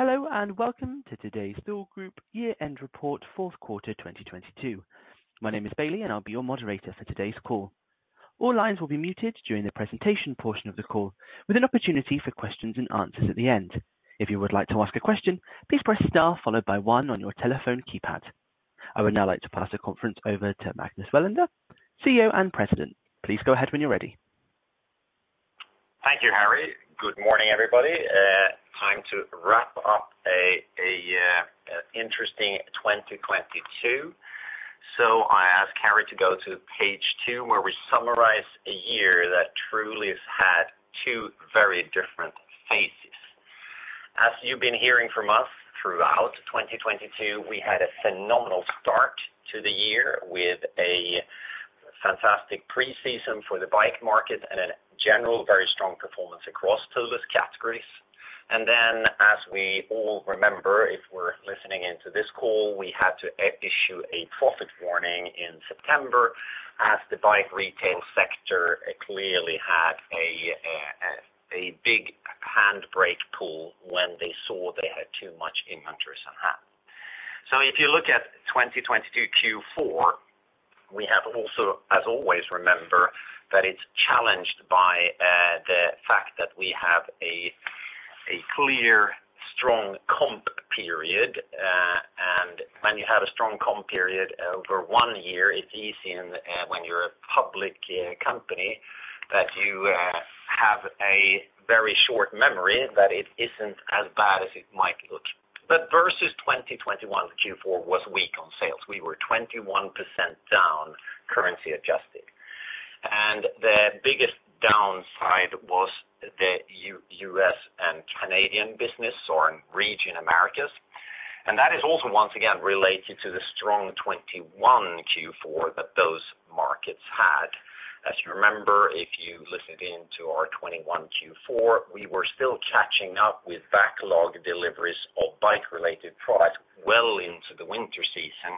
Hello and welcome to today's Thule Group Year-End Report, Fourth Quarter, 2022. My name is Bailey, and I'll be your moderator for today's call. All lines will be muted during the presentation portion of the call, with an opportunity for questions-and-answers at the end. If you would like to ask a question, please press star followed by one on your telephone keypad. I would now like to pass the conference over to Magnus Welander, CEO and President. Please go ahead when you're ready. Thank you, Harry. Good morning, everybody. Time to wrap up a interesting 2022. I ask Harry to go to page 2, where we summarize a year that truly has had two very different faces. As you've been hearing from us throughout 2022, we had a phenomenal start to the year with a fantastic preseason for the bike market and a general very strong performance across Thule's categories. As we all remember, if we're listening in to this call, we had to issue a profit warning in September as the bike retail sector clearly had a big handbrake pull when they saw they had too much inventories on hand. If you look at 2022 Q4, we have also, as always, remember that it's challenged by the fact that we have a clear strong comp period. When you have a strong comp period over one year, it's easy and, when you're a public company that you have a very short memory that it isn't as bad as it might look. Versus 2021, Q4 was weak on sales. We were 21% down currency adjusted. The biggest downside was the U.S. and Canadian business or Region Americas. That is also once again related to the strong 2021 Q4 that those markets had. As you remember, if you listened in to our 2021 Q4, we were still catching up with backlog deliveries of bike-related products well into the winter season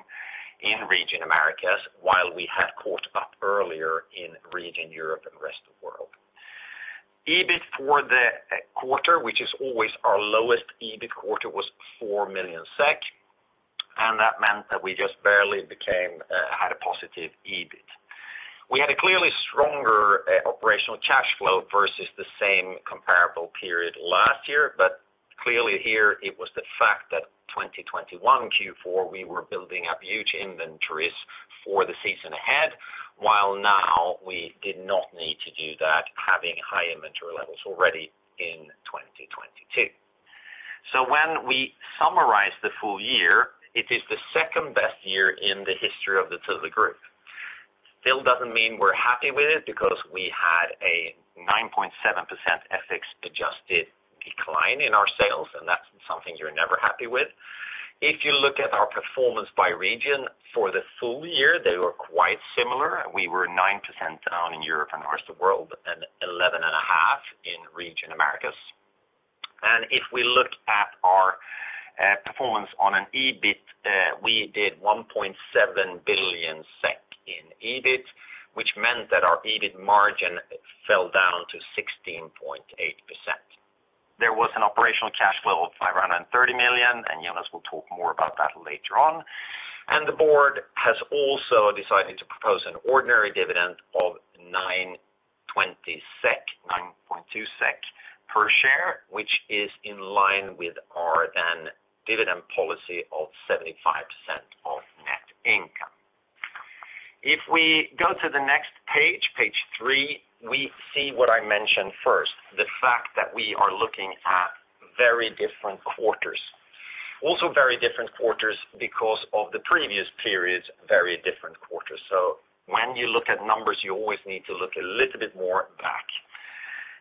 in Region Americas while we had caught up earlier in Region Europe and Rest of World. EBIT for the quarter, which is always our lowest EBIT quarter, was 4 million SEK. That meant that we just barely had a positive EBIT. We had a clearly stronger operating cash flow versus the same comparable period last year. Clearly here it was the fact that 2021 Q4, we were building up huge inventories for the season ahead. While now we did not need to do that, having high inventory levels already in 2022. When we summarize the full year, it is the second best year in the history of the Thule Group. Still doesn't mean we're happy with it because we had a 9.7% FX adjusted decline in our sales, and that's something you're never happy with. If you look at our performance by region for the full year, they were quite similar. We were 9% down in Europe and the rest of the world and 11.5% in Region Americas. If we look at our performance on an EBIT, we did 1.7 billion SEK in EBIT, which meant that our EBIT margin fell down to 16.8%. There was an operating cash flow of 530 million, Jonas will talk more about that later on. The Board has also decided to propose an ordinary dividend of 9.2 SEK per share, which is in line with our then dividend policy of 75% of net income. If we go to the next page three, we see what I mentioned first, the fact that we are looking at very different quarters. Also very different quarters because of the previous periods, very different quarters. When you look at numbers, you always need to look a little bit more back.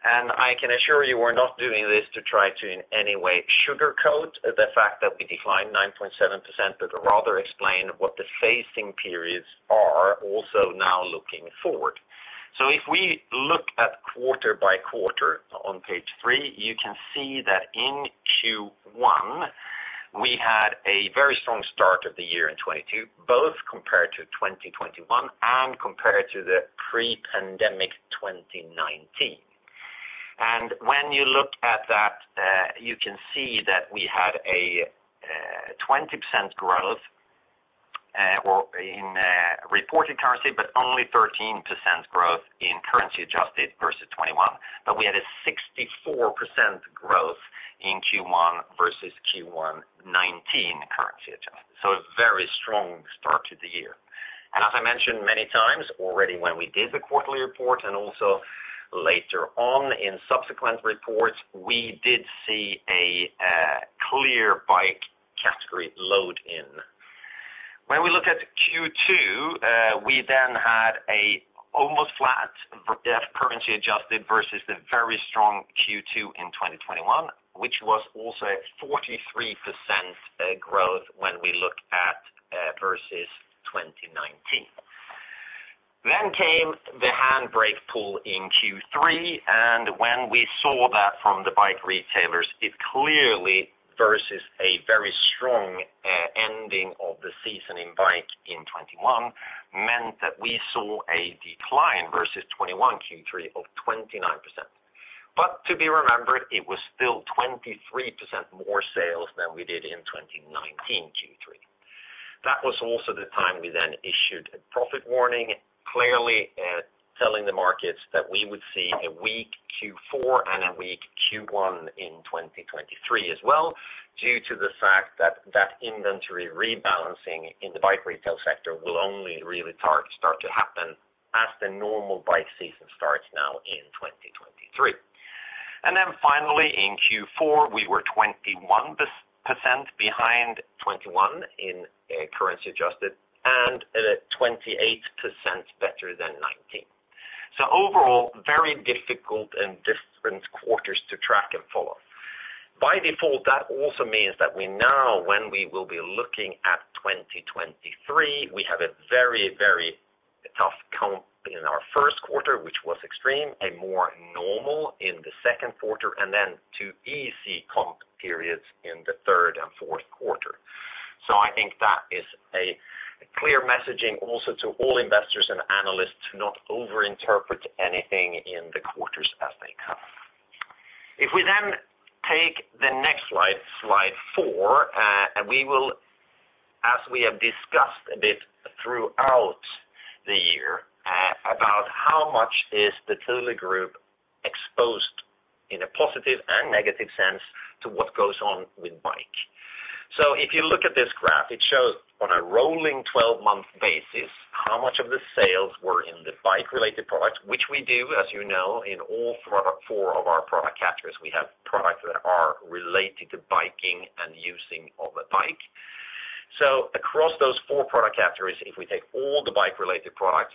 I can assure you we're not doing this to try to in any way sugarcoat the fact that we declined 9.7%, but rather explain what the facing periods are also now looking forward. If we look at quarter by quarter on page three, You can see that in Q1 we had a very strong start of the year in 2022, both compared to 2021 and compared to the pre-pandemic 2019. When you look at that, you can see that we had a 20% growth, or in reported currency, but only 13% growth in currency-adjusted terms versus 2021. We had a 64% growth in Q1 versus Q1 2019 currency adjusted. A very strong start to the year. As I mentioned many times already when we did the quarterly report and also later on in subsequent reports, we did see a clear bike category load in. When we look at Q2, we then had a almost flat currency adjusted versus the very strong Q2 in 2021, which was also a 43% growth when we look at versus 2019. Came the handbrake pull in Q3, and when we saw that from the bike retailers, Versus a very strong ending of the season in bike in 2021 meant that we saw a decline versus 2021 Q3 of 29%. To be remembered, it was still 23% more sales than we did in 2019 Q3. That was also the time we then issued a profit warning, clearly telling the markets that we would see a weak Q4 and a weak Q1 in 2023 as well, due to the fact that that inventory rebalancing in the bike retail sector will only really start to happen as the normal bike season starts now in 2023. Finally in Q4, we were 21% behind 2021 in currency adjusted and at a 28% better than 2019. Overall, very difficult and different quarters to track and follow. By default, that also means that we now, when we will be looking at 2023, we have a very, very tough comp in our first quarter, which was extreme and more normal in the second quarter, and then 2 easy comp periods in the third and fourth quarter. I think that is a clear messaging also to all investors and analysts to not over interpret anything in the quarters as they come. If we take the next slide four, and we will, as we have discussed a bit throughout the year, about how much is the Thule Group exposed in a positive and negative sense to what goes on with bike. If you look at this graph, it shows on a rolling 12-month basis how much of the sales were in the bike-related products, which we do as you know, in all four of our product categories. We have products that are related to biking and using of a bike. Across those four product categories, if we take all the bike-related products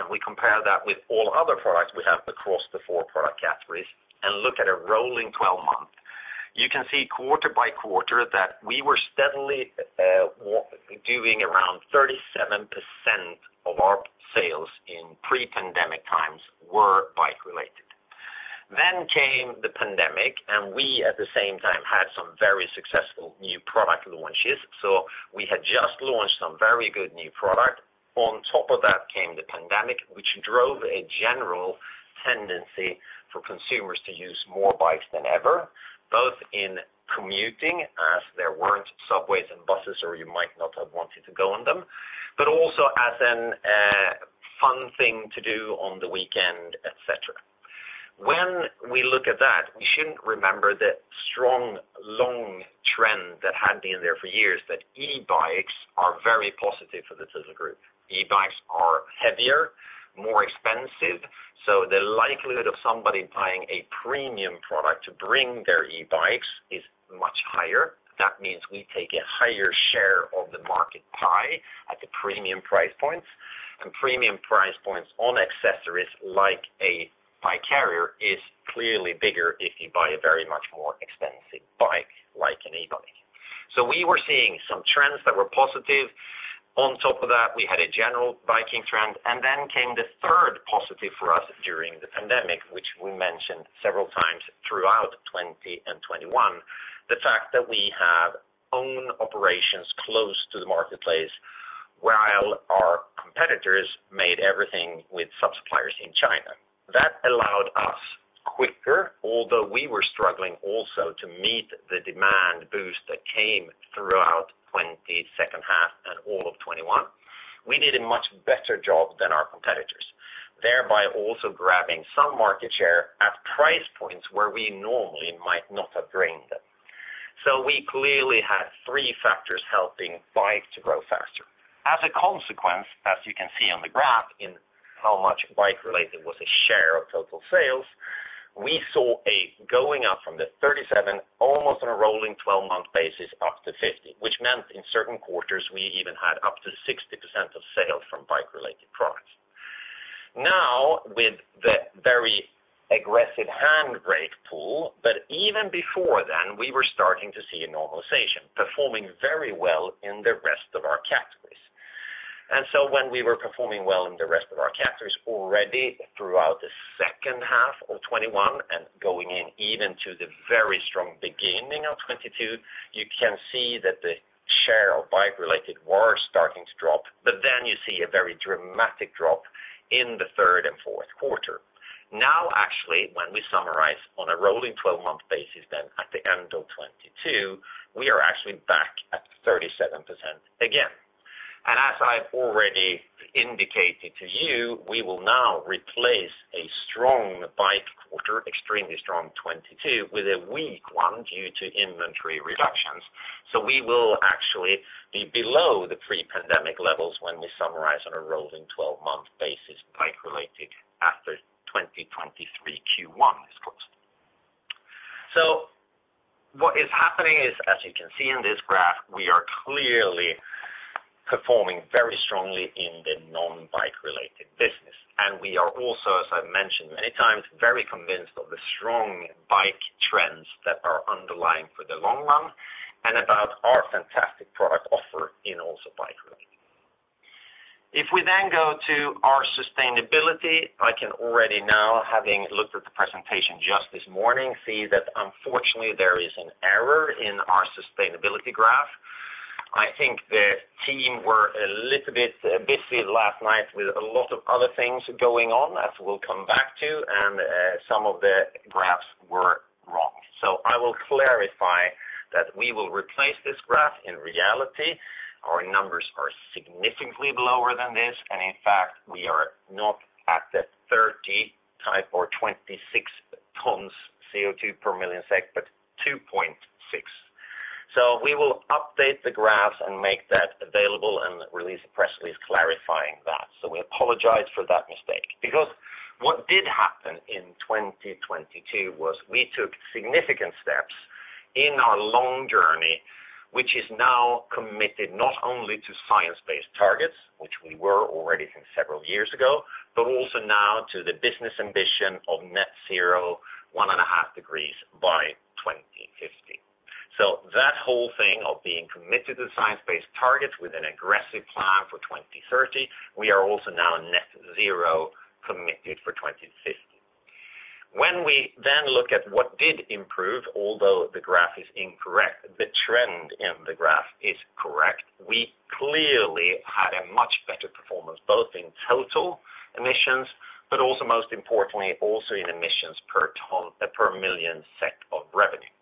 and we compare that with all other products we have across the four product categories and look at a rolling 12 month, you can see quarter by quarter that we were steadily doing around 37% of our sales in pre-pandemic times were bike-related. came the pandemic, and we at the same time had some very successful new product launches. We had just launched some very good new product. On top of that came the pandemic, which drove a general tendency for consumers to use more bikes than ever, both in commuting as there weren't subways and buses, or you might not have wanted to go on them, but also as an fun thing to do on the weekend, et cetera. When we look at that, we shouldn't remember the strong long trend that had been there for years that e-bikes are very positive for the Thule Group. E-bikes are heavier, more expensive, so the likelihood of somebody buying a premium product to bring their e-bikes is much higher. That means we take a higher share of the market pie at the premium price points. Premium price points on accessories like a bike carrier is clearly bigger if you buy a very much more expensive bike like an e-bike. We were seeing some trends that were positive. On top of that, we had a general biking trend, and then came the third positive for us during the pandemic, which we mentioned several times throughout 2020 and 2021. The fact that we have own operations close to the marketplace while our competitors made everything with sub-suppliers in China. That allowed us quicker, although we were struggling also to meet the demand boost that came throughout 2020 second half and all of 2021. We did a much better job than our competitors, thereby also grabbing some market share at price points where we normally might not have drained them. We clearly had three factors helping bike to grow faster. As a consequence, as you can see on the graph in how much bike-related was a share of total sales, we saw a going up from the 37%, almost on a rolling 12-month basis, up to 50%. Which meant in certain quarters we even had up to 60% of sales from bike-related products. Now, with the very aggressive handbrake pull, but even before then, we were starting to see a normalization, performing very well in the rest of our categories. When we were performing well in the rest of our categories already throughout the second half of 2021 and going in even to the very strong beginning of 2022, you can see that the share of bike-related were starting to drop, you see a very dramatic drop in the third and fourth quarter. Actually, when we summarize on a rolling 12-month basis, then at the end of 2022, we are actually back at 37% again. As I've already indicated to you, we will now replace a strong bike quarter, extremely strong 2022, with a weak one due to inventory reductions. We will actually be below the pre-pandemic levels when we summarize on a rolling 12-month basis, bike-related after 2023 Q1 is closed. What is happening is, as you can see in this graph, we are clearly performing very strongly in the non-bike-related business. We are also, as I've mentioned many times, very convinced of the strong bike trends that are underlying for the long run and about our fantastic product offer in also bike-related. If we go to our sustainability, I can already now, having looked at the presentation just this morning, see that unfortunately there is an error in our sustainability graph. I think the team were a little bit busy last night with a lot of other things going on, as we'll come back to, and some of the graphs were wrong. I will clarify that we will replace this graph. In reality, our numbers are significantly lower than this, in fact, we are not at the 30 type or 26 tons CO2 per million SEK, but 2.6. We will update the graphs and make that available and release a press release clarifying that. We apologize for that mistake. What did happen in 2022 was we took significant steps in our long journey, which is now committed not only to science-based targets, which we were already from several years ago, but also now to the business ambition of net zero 1.5 degrees by 2050. That whole thing of being committed to science-based targets with an aggressive plan for 2030, we are also now net zero committed for 2050. We then look at what did improve, although the graph is incorrect, the trend in the graph is correct. We clearly had a much better performance, both in total emissions, but also most importantly, also in emissions per million SEK of revenue.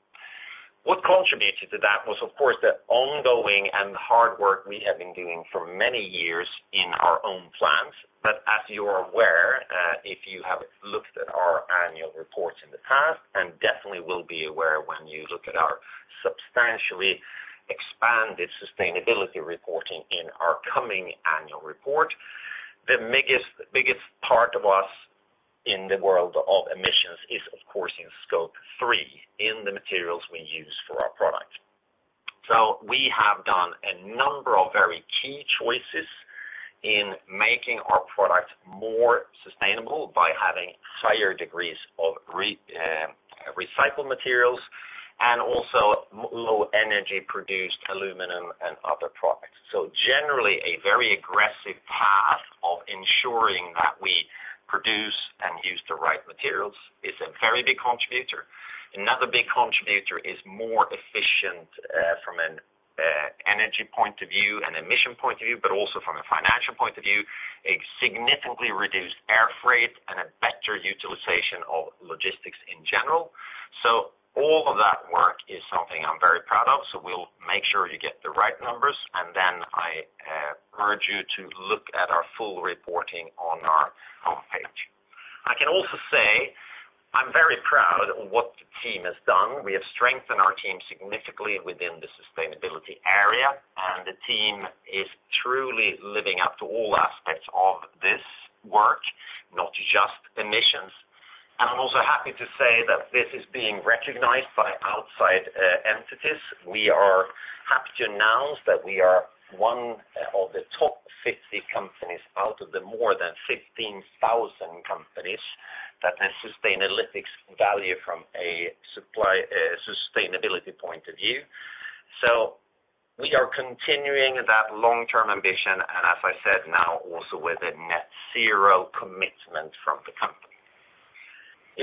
What contributed to that was of course, the ongoing and hard work we have been doing for many years in our own plants. As you are aware, if you have looked at our annual reports in the past, and definitely will be aware when you look at our substantially expanded sustainability reporting in our coming annual report, the biggest part of us in the world of emissions is of course, in Scope 3, in the materials we use for our product. We have done a number of very key choices in making our product more sustainable by having higher degrees of recycled materials and also low energy-produced aluminum and other products. Generally a very aggressive path of ensuring that we produce and use the right materials is a very big contributor. Another big contributor is more efficient, from an energy point of view and emission point of view, but also from a financial point of view, a significantly reduced air freight and a better utilization of logistics in general. All of that work is something I'm very proud of, so we'll make sure you get the right numbers, and then I urge you to look at our full reporting on our homepage. I can also say I'm very proud of what the team has done. We have strengthened our team significantly within the sustainability area, and the team is truly living up to all aspects of this work, not just emissions. I'm also happy to say that this is being recognized by outside entities. We are happy to announce that we are one of the top 50 companies out of the more than 15,000 companies that have Sustainalytics value from a supply sustainability point of view. We are continuing that long-term ambition, and as I said now, also with a net zero commitment from the company.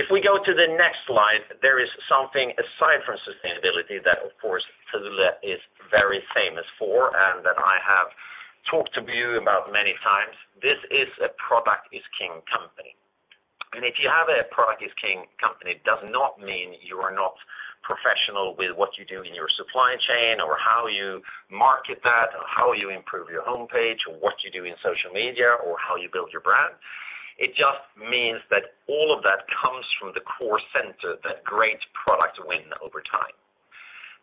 We go to the next slide, there is something aside from sustainability that of course, Thule is very famous for and that I have talked to you about many times. This is a product is king company. If you have a product is king company, it does not mean you are not professional with what you do in your supply chain or how you market that or how you improve your homepage or what you do in social media or how you build your brand. It just means that all of that comes from the core center, that great product win over time.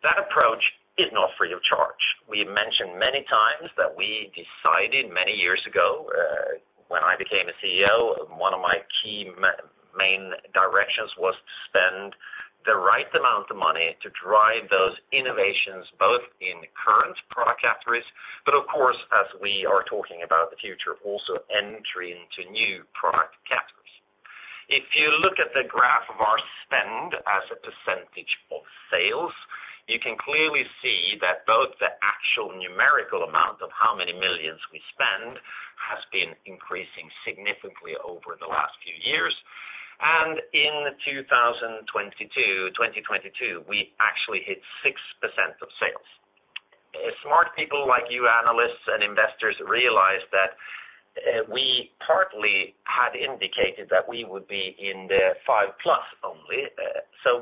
That approach is not free of charge. We mentioned many times that we decided many years ago, when I became a CEO, one of my key main directions was to spend the right amount of money to drive those innovations, both in current product categories, but of course, as we are talking about the future, also entry into new product categories. If you look at the graph of our spend as a percentage of sales, you can clearly see that both the actual numerical amount of how many millions we spend has been increasing significantly over the last few years. In 2022, we actually hit 6% of sales. Smart people like you analysts and investors realize that we partly had indicated that we would be in the 5+ only.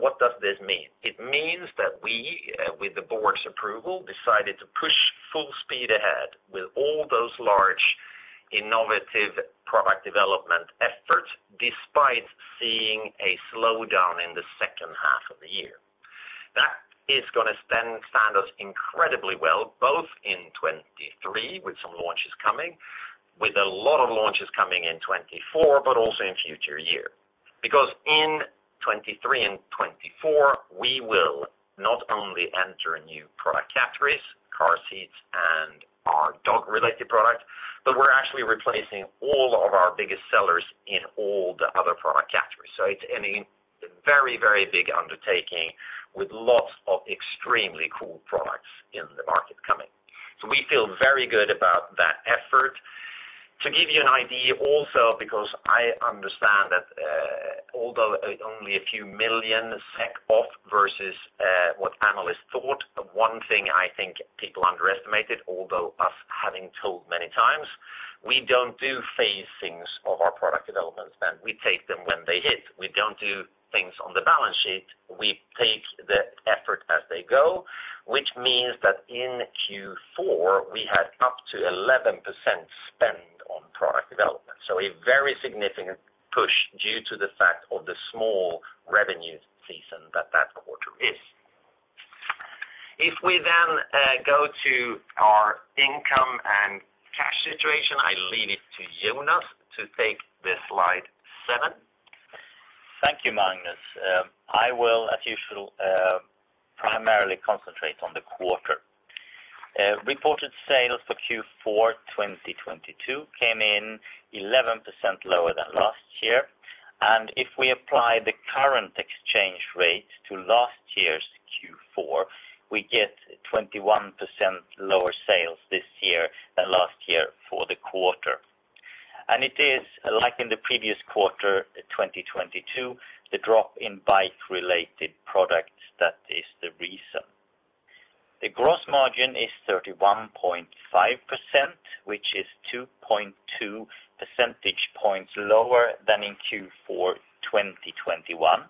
What does this mean? It means that we, with the Board's approval, decided to push full speed ahead with all those large innovative product development efforts despite seeing a slowdown in the second half of the year. That is gonna stand us incredibly well, both in 2023 with some launches coming, with a lot of launches coming in 2024, also in future year. In 2023 and 2024, we will not only enter new product categories, car seats and our dog-related product, but we're actually replacing all of our biggest sellers in all the other product categories. It's a very big undertaking with lots of extremely cool products in the market coming. We feel very good about that effort. To give you an idea also because I understand that, although only a few million SEK off versus what analysts thought, one thing I think people underestimated, although us having told many times, we don't do phasings of our product development spend. We take them when they hit. We don't do things on the balance sheet. We take the effort as they go, which means that in Q4, we had up to 11% spend on product development. A very significant push due to the fact of the small revenue season that that quarter is. If we then go to our income and cash situation, I leave it to Jonas to take the slide seven. Thank you, Magnus. I will, as usual, primarily concentrate on the quarter. Reported sales for Q4 2022 came in 11% lower than last year. If we apply the current exchange rate to last year's Q4, we get 21% lower sales this year than last year for the quarter. It is like in the previous quarter, 2022, the drop in bike-related products, that is the reason. The gross margin is 31.5%, which is 2.2 percentage points lower than in Q4 2021.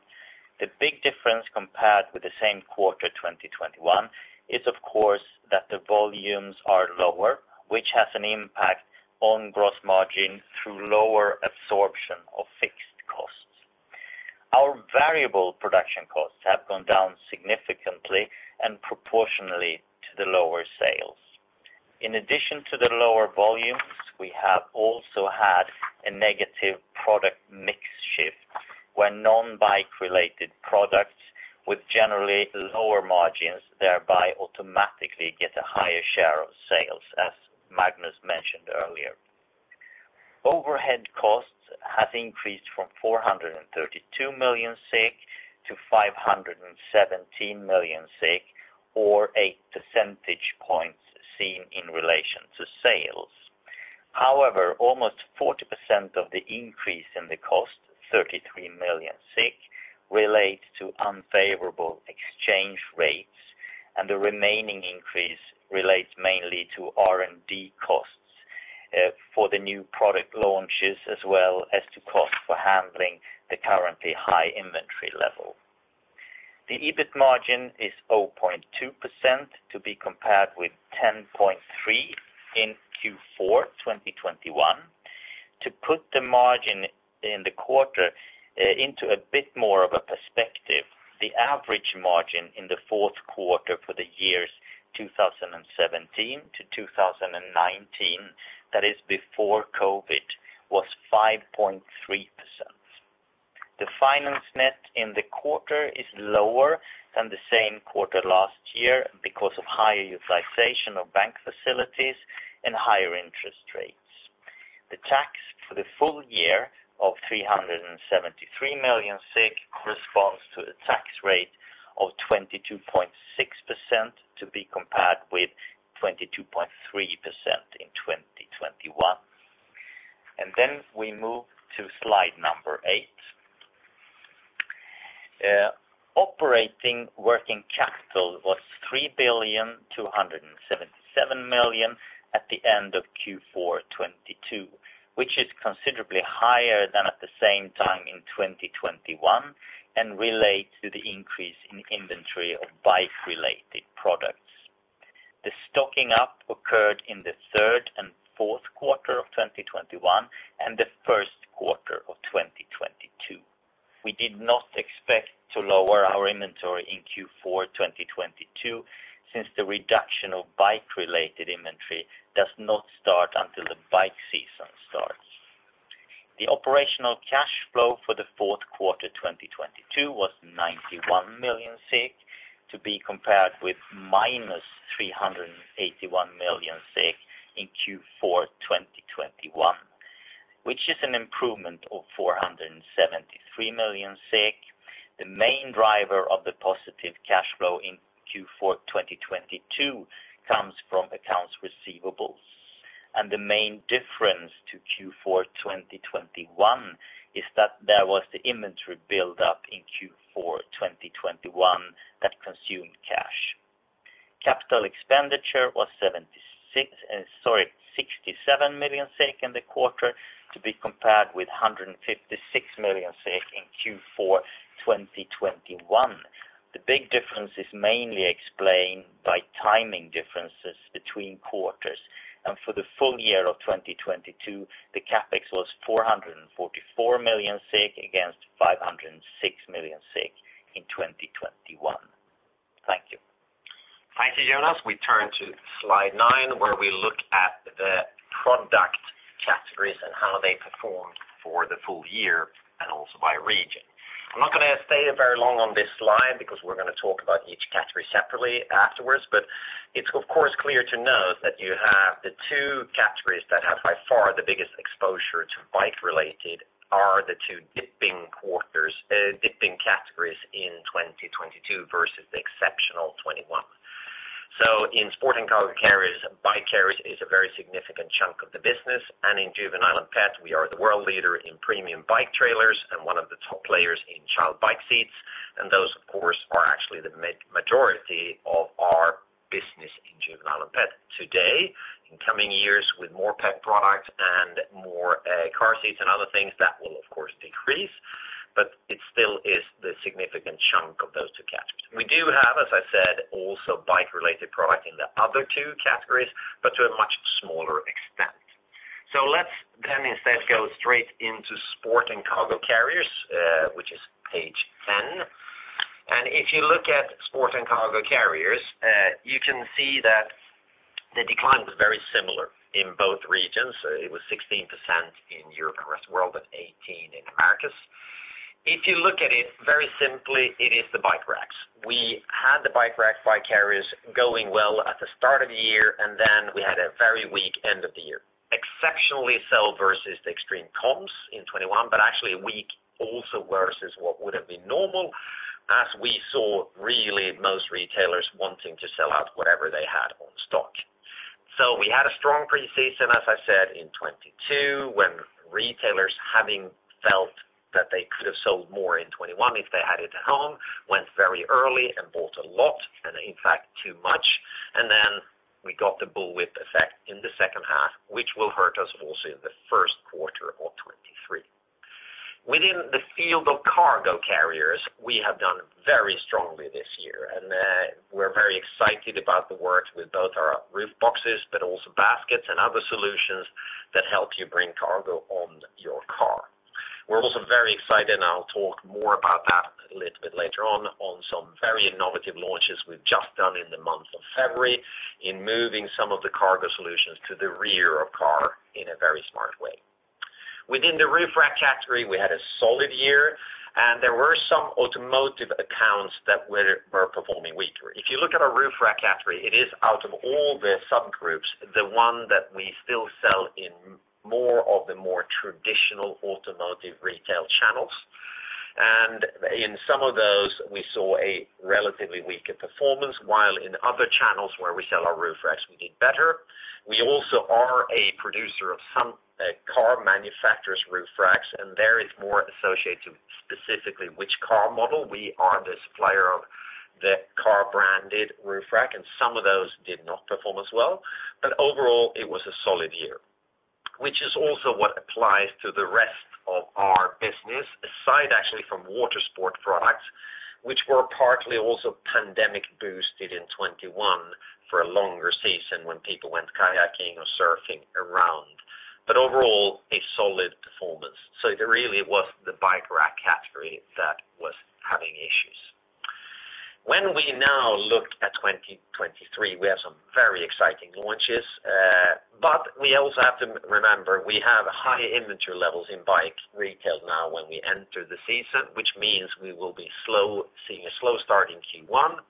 The big difference compared with the same quarter, 2021 is, of course, that the volumes are lower, which has an impact on gross margin through lower absorption of fixed costs. Our variable production costs have gone down significantly and proportionally to the lower sales. In addition to the lower volumes, we have also had a negative product mix shift where non-bike-related products with generally lower margins, thereby automatically get a higher share of sales, as Magnus mentioned earlier. Overhead costs have increased from 432 million to 517 million, or 8 percentage points seen in relation to sales. However, almost 40% of the increase in the cost, 33 million, relates to unfavorable exchange rates, and the remaining increase relates mainly to R&D costs for the new product launches, as well as to cost for handling the currently high inventory level. The EBIT margin is 0.2% to be compared with 10.3% in Q4 2021. To put the margin in the quarter, into a bit more of a perspective, the average margin in the fourth quarter for the years 2017-2019, that is before COVID, was 5.3%. The finance net in the quarter is lower than the same quarter last year because of higher utilization of bank facilities and higher interest rates. The tax for the full year of 373 million SEK corresponds to a tax rate of 22.6% to be compared with 22.3% in 2021. We move to slide number eight. Operating working capital was 3,277 million at the end of Q4 2022, which is considerably higher than at the same time in 2021 and relates to the increase in inventory of bike-related products. The stocking up occurred in the third and fourth quarter of 2021 and the first quarter of 2022. We did not expect to lower our inventory in Q4 2022, since the reduction of bike-related inventory does not start until the bike season starts. The operating cash flow for the fourth quarter 2022 was 91 million to be compared with -381 million in Q4 2021, which is an improvement of 473 million. The main driver of the positive cash flow in Q4 2022 comes from accounts receivables. The main difference to Q4 2021 is that there was the inventory build up in Q4 2021 that consumed cash. CapEx was 76, sorry, 67 million SEK in the quarter to be compared with 156 million SEK in Q4 2021. The big difference is mainly explained by timing differences between quarters. For the full year of 2022, the CapEx was 444 million SEK against 506 million SEK in 2021. Thank you. Thank you, Jonas. We turn to slide nine, where we look at the product categories and how they performed for the full year and also by region. I'm not gonna stay very long on this slide because we're gonna talk about each category separately afterwards. It's of course clear to note that you have the two categories that have by far the biggest exposure to bike-related are the two dipping categories in 2022 versus the exceptional 2021. In Sport & Cargo Carriers, bike carriers is a very significant chunk of the business. In Juvenile & Pet, we are the world leader in premium bike trailers and one of the top players in child bike seats. Those, of course, are actually the majority of our business in Juvenile & Pet today. In coming years, with more pet products and more car seats and other things, that will of course decrease, but it still is the significant chunk of those two categories. We do have, as I said, also bike-related products in the other two categories, but to a much smaller extent. Let's then instead go straight into Sport & Cargo Carriers, which is page 10. If you look at Sport & Cargo Carriers, you can see that the decline was very similar in both regions. It was 16% in Europe and rest of world, but 18% in Americas. If you look at it very simply, it is the bike racks. We had the bike rack, bike carriers going well at the start of the year, and then we had a very weak end of the year. Exceptionally so versus the extreme comps in 2021, but actually weak also versus what would have been normal, as we saw really most retailers wanting to sell out whatever they had on stock. We had a strong preseason, as I said, in 2022, when retailers, having felt that they could have sold more in 2021 if they had it at home, went very early and bought a lot, and in fact, too much. Then we got the bullwhip effect in the second half, which will hurt us also in the first quarter of 2023. Within the field of cargo carriers, we have done very strongly this year, and we're very excited about the work with both our roof boxes, but also baskets and other solutions that help you bring cargo on your car. We're also very excited, and I'll talk more about that a little bit later on some very innovative launches we've just done in the month of February in moving some of the cargo solutions to the rear of car in a very smart way. Within the roof rack category, we had a solid year, and there were some automotive accounts that were performing weaker. If you look at our roof rack category, it is out of all the subgroups, the one that we still sell in more of the more traditional automotive retail channels. In some of those, we saw a relatively weaker performance, while in other channels where we sell our roof racks, we did better. We also are a producer of some, car manufacturers' roof racks. There it's more associated to specifically which car model we are the supplier of the car-branded roof rack, and some of those did not perform as well. Overall, it was a solid year, which is also what applies to the rest of our business, aside actually from Water Sport products, which were partly also pandemic-boosted in 21 for a longer season when people went kayaking or surfing around. Overall, a solid performance. It really was the bike rack category that was having issues. When we now look at 2023, we have some very exciting launches, but we also have to remember, we have high inventory levels in bike retail now when we enter the season, which means we will be seeing a slow start in Q1.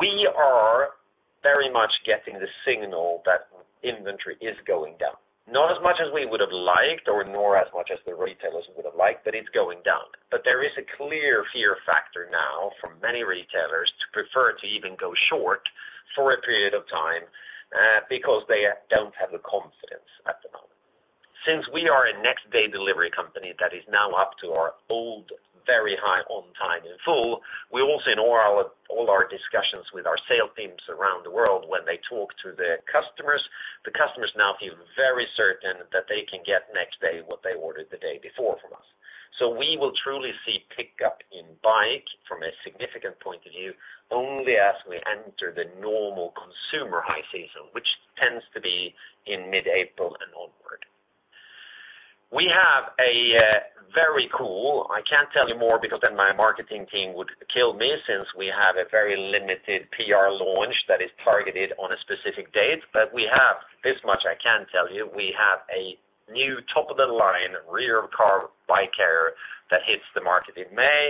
We are very much getting the signal that inventory is going down. Not as much as we would have liked or nor as much as the retailers would have liked, but it's going down. There is a clear fear factor now for many retailers to prefer to even go short for a period of time, because they don't have the confidence at the moment. Since we are a next-day delivery company that is now up to our old, very high On Time In Full, we also know all our discussions with our sales teams around the world when they talk to their customers, the customers now feel very certain that they can get next day what they ordered the day before from us. We will truly see pickup in bike from a significant point of view only as we enter the normal consumer high season, which tends to be in mid-April and onward. We have a very cool, I can't tell you more because then my marketing team would kill me since we have a very limited PR launch that is targeted on a specific date. We have, this much I can tell you, we have a new top-of-the-line rear car bike carrier that hits the market in May.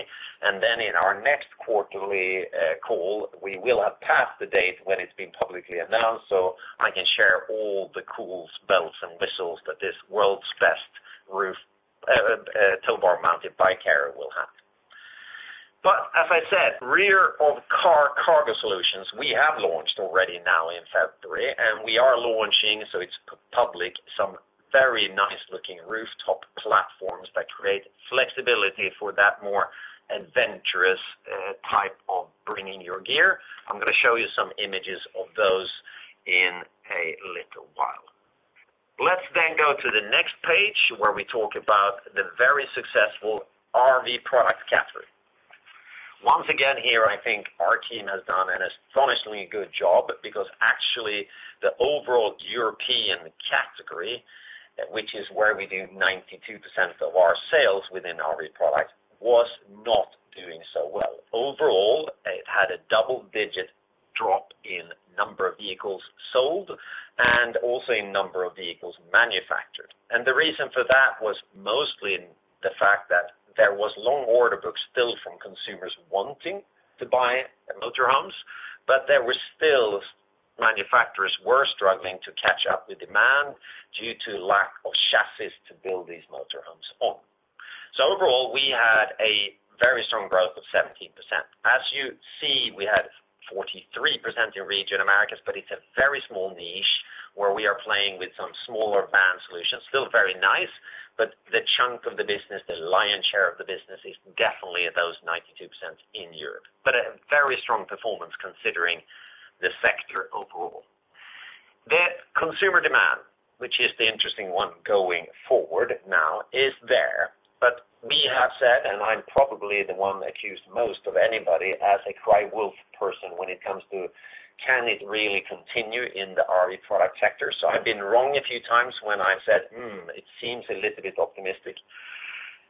Then in our next quarterly call, we will have passed the date when it's been publicly announced, so I can share all the cool bells and whistles that this world's best tow bar-mounted bike carrier will have. As I said, rear of car cargo solutions, we have launched already now in February, and we are launching, so it's public, some very nice-looking rooftop platforms that create flexibility for that more adventurous type of bringing your gear. I'm gonna show you some images of those in a little while. Let's go to the next page, where we talk about the very successful RV Products category. Once again here, I think our team has done an astonishingly good job because actually the overall European category, which is where we do 92% of our sales within RV Products, was not doing so well. Overall, it had a double-digit drop in number of vehicles sold and also in number of vehicles manufactured. The reason for that was mostly the fact that there was long order books still from consumers wanting to buy motor homes, but there were still manufacturers were struggling to catch up with demand due to lack of chassis to build these motor homes on. Overall, we had a very strong growth of 17%. As you see, we had 43% in Region Americas, but it's a very small niche where we are playing with some smaller van solutions. Still very nice, the chunk of the business, the lion's share of the business is definitely at those 92% in Europe. A very strong performance considering the sector overall. The consumer demand, which is the interesting one going forward now, is there. We have said, and I'm probably the one accused most of anybody as a cry wolf person when it comes to can it really continue in the RV product sector. I've been wrong a few times when I've said, "Hmm, it seems a little bit optimistic."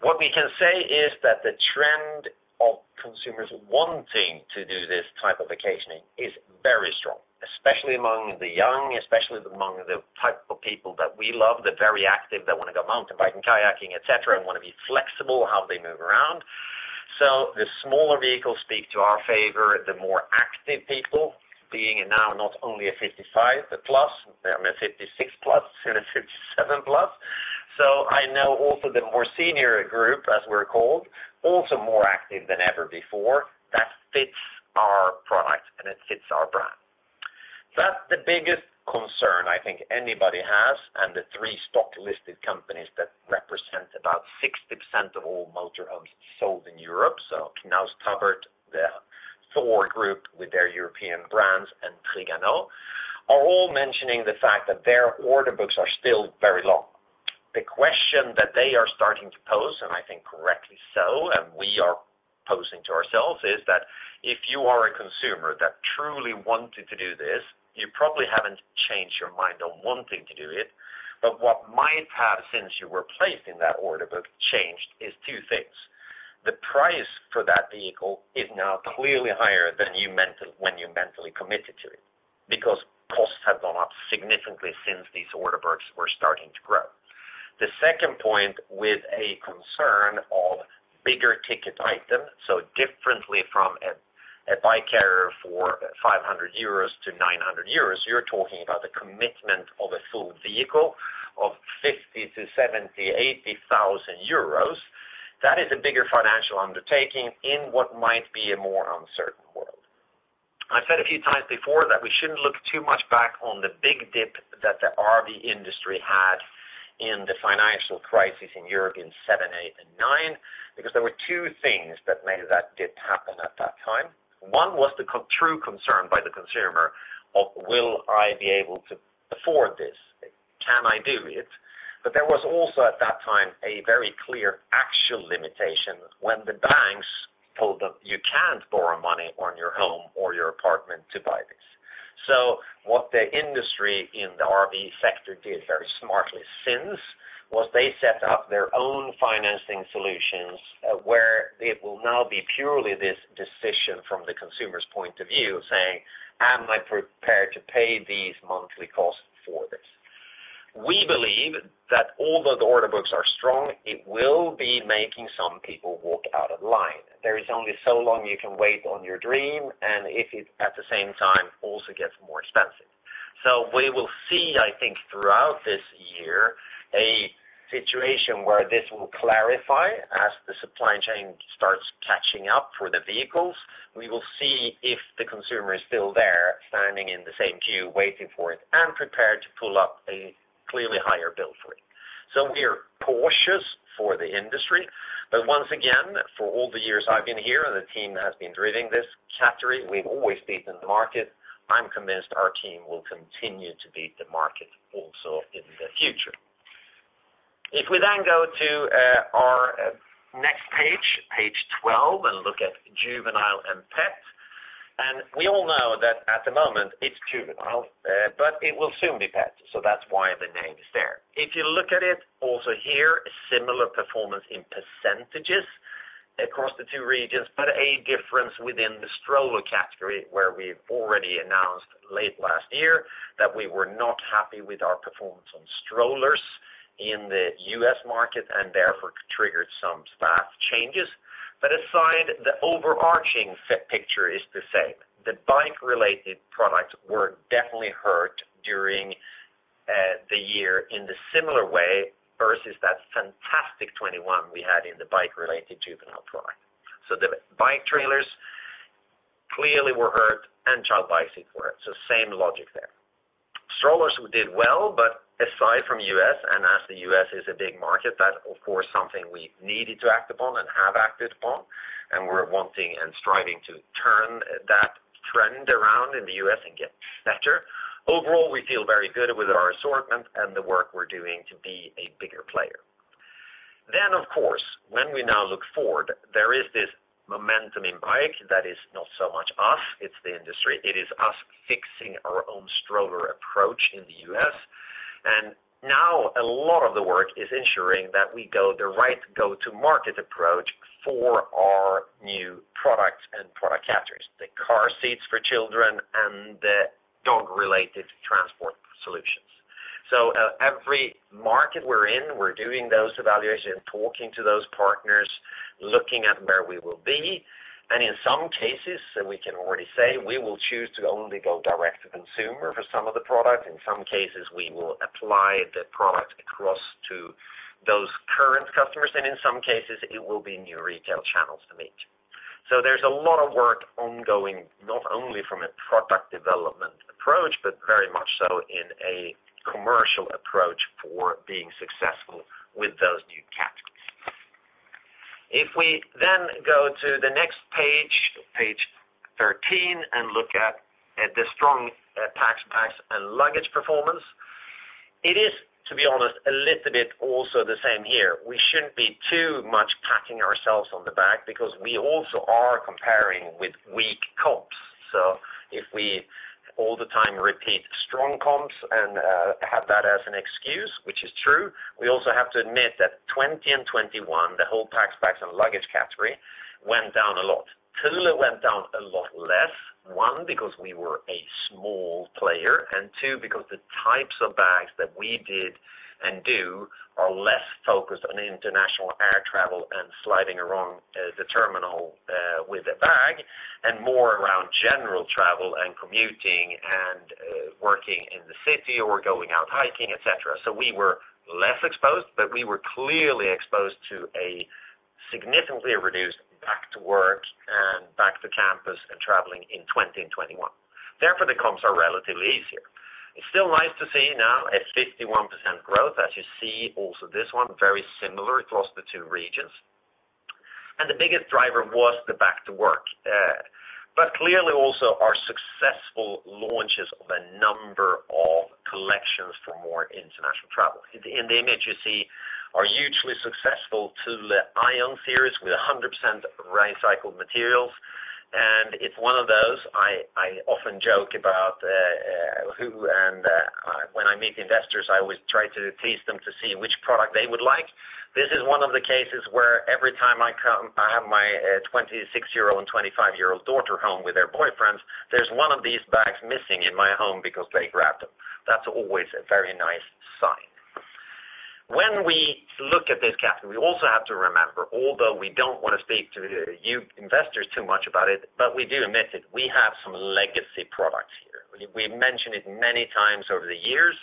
What we can say is that the trend of consumers wanting to do this type of occasioning is very strong, especially among the young, especially among the type of people that we love, the very active, that want to go mountain biking, kayaking, et cetera, and want to be flexible how they move around. The smaller vehicles speak to our favor, the more active people being now not only a 55,+, I mean 56+, soon a 57+. I know also the more senior group, as we're called, also more active than ever before. That fits our product and it fits our brand. That's the biggest concern I think anybody has, and the 3 stock-listed companies that represent about 60% of all motor homes sold in Europe. Knaus Tabbert, the Thor group with their European brands, and Trigano, are all mentioning the fact that their order books are still very long. The question that they are starting to pose, and I think correctly so, and we are posing to ourselves, is that if you are a consumer that truly wanted to do this, you probably haven't changed your mind on wanting to do it. What might have since you were placed in that order book changed is 2 things. The price for that vehicle is now clearly higher than you when you mentally committed to it, because costs have gone up significantly since these order books were starting to grow. The second point with a concern of bigger ticket item, differently from a bike carrier for 500 euros to 900 euros, you're talking about the commitment of a full vehicle of 50,000-70,000, 80,000 euros. That is a bigger financial undertaking in what might be a more uncertain world. I've said a few times before that we shouldn't look too much back on the big dip that the RV industry had in the financial crisis in Europe in 2007, 2008, and 2009, because there were two things that made that dip happen at that time. One was the true concern by the consumer of will I be able to afford this? Can I do it? There was also at that time a very clear actual limitation when the banks told them, you can't borrow money on your home or your apartment to buy this. What the industry in the RV sector did very smartly since, was they set up their own financing solutions where it will now be purely this decision from the consumer's point of view, saying, "Am I prepared to pay these monthly costs for this?" We believe that although the order books are strong, it will be making some people walk out of line. There is only so long you can wait on your dream, and if it, at the same time, also gets more expensive. We will see, I think throughout this year, a situation where this will clarify as the supply chain starts catching up for the vehicles. We will see if the consumer is still there standing in the same queue waiting for it and prepared to pull up a clearly higher bill for it. We're cautious for the industry. Once again, for all the years I've been here and the team has been driving this category, we've always beaten the market. I'm convinced our team will continue to beat the market also in the future. If we go to our next page 12, and look at Juvenile and Pet. We all know that at the moment it's Juvenile, but it will soon be Pet, so that's why the name is there. If you look at it also here, a similar performance in % across the two regions, but a difference within the stroller category, where we've already announced late last year that we were not happy with our performance on strollers in the U.S. market, and therefore triggered some staff changes. Aside, the overarching picture is the same. The bike-related products were definitely hurt during the year in the similar way versus that fantastic 2021 we had in the bike-related juvenile product. The bike trailers clearly were hurt and child bicycles were. Same logic there. Strollers, we did well, aside from U.S., as the U.S. is a big market, that of course something we needed to act upon and have acted upon, and we're wanting and striving to turn that trend around in the U.S. and get better. Overall, we feel very good with our assortment and the work we're doing to be a bigger player. Of course, when we now look forward, there is this momentum in bike that is not so much us, it's the industry. It is us fixing our own stroller approach in the U.S. Now a lot of the work is ensuring that we go the right go-to-market approach for our new products and product categories, the car seats for children and the dog-related transport solutions. Every market we're in, we're doing those evaluations, talking to those partners. Looking at where we will be, and in some cases, we can already say we will choose to only go direct-to-consumer for some of the products. In some cases, we will apply the product across to those current customers, and in some cases, it will be new retail channels to meet. There's a lot of work ongoing, not only from a product development approach, but very much so in a commercial approach for being successful with those new categories. If we then go to the next page 13, and look at the strong Packed Packs and Luggage performance, it is, to be honest, a little bit also the same here. We shouldn't be too much patting ourselves on the back because we also are comparing with weak comps. If we all the time repeat strong comps and have that as an excuse, which is true, we also have to admit that 2020 and 2021, the whole Packed Packs and Luggage category went down a lot. Thule went down a lot less, one, because we were a small player, and two, because the types of bags that we did and do are less focused on international air travel and sliding around, the terminal, with a bag, and more around general travel and commuting and, working in the city or going out hiking, et cetera. We were less exposed, but we were clearly exposed to a significantly reduced back-to-work and back-to-campus and traveling in 2021. Therefore, the comps are relatively easier. It's still nice to see now a 51% growth, as you see also this one, very similar across the two regions. The biggest driver was the back-to-work. Clearly also our successful launches of a number of collections for more international travel. In the image you see our hugely successful Thule Yepp, Aion series with 100% recycled materials. It's one of those I often joke about who and when I meet investors, I always try to tease them to see which product they would like. This is one of the cases where every time I come, I have my 26-year-old and 25-year-old daughter home with their boyfriends, there's one of these bags missing in my home because they grabbed them. That's always a very nice sign. When we look at this category, we also have to remember, although we don't wanna speak to you investors too much about it, but we do admit it, we have some legacy products here. We've mentioned it many times over the years,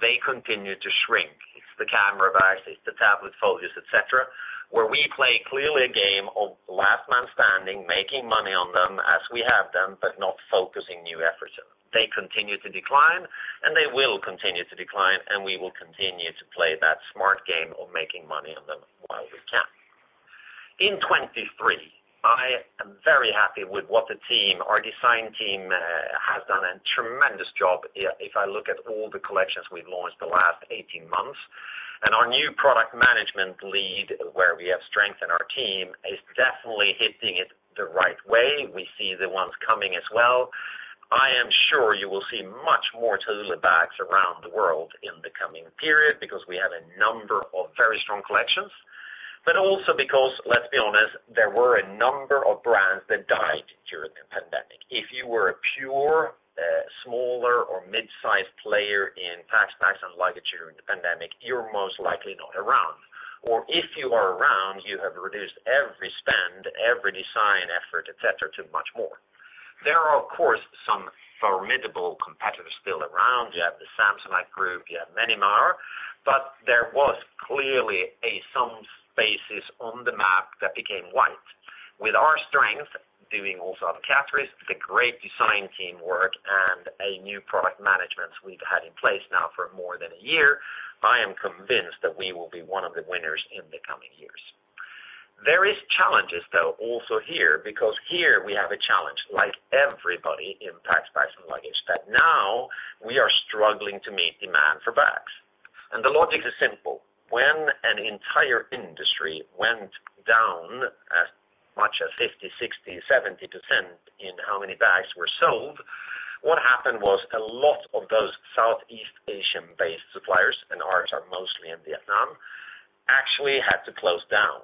they continue to shrink. It's the camera bags, it's the tablet folios, et cetera, where we play clearly a game of last man standing, making money on them as we have them, but not focusing new efforts on them. They continue to decline, and they will continue to decline, and we will continue to play that smart game of making money on them while we can. In 23, I am very happy with what the team, our design team, has done a tremendous job, if I look at all the collections we've launched the last 18 months. Our new product management lead, where we have strengthened our team, is definitely hitting it the right way. We see the ones coming as well. I am sure you will see much more Thule bags around the world in the coming period because we have a number of very strong collections. Also because, let's be honest, there were a number of brands that died during the pandemic. If you were a pure, smaller or mid-sized player in packed packs and luggage during the pandemic, you're most likely not around. If you are around, you have reduced every spend, every design effort, et cetera, to much more. There are, of course, some formidable competitors still around. You have the Samsonite group, you have many more. There was clearly a some spaces on the map that became white. With our strength, doing also other categories, the great design teamwork, and a new product management we've had in place now for more than a year, I am convinced that we will be one of the winners in the coming years. There is challenges, though, also here, because here we have a challenge, like everybody in Packs, Bags & Luggage, that now we are struggling to meet demand for bags. The logic is simple. When an entire industry went down as much as 50%, 60%, 70% in how many bags were sold, what happened was a lot of those Southeast Asian-based suppliers, and ours are mostly in Vietnam, actually had to close down.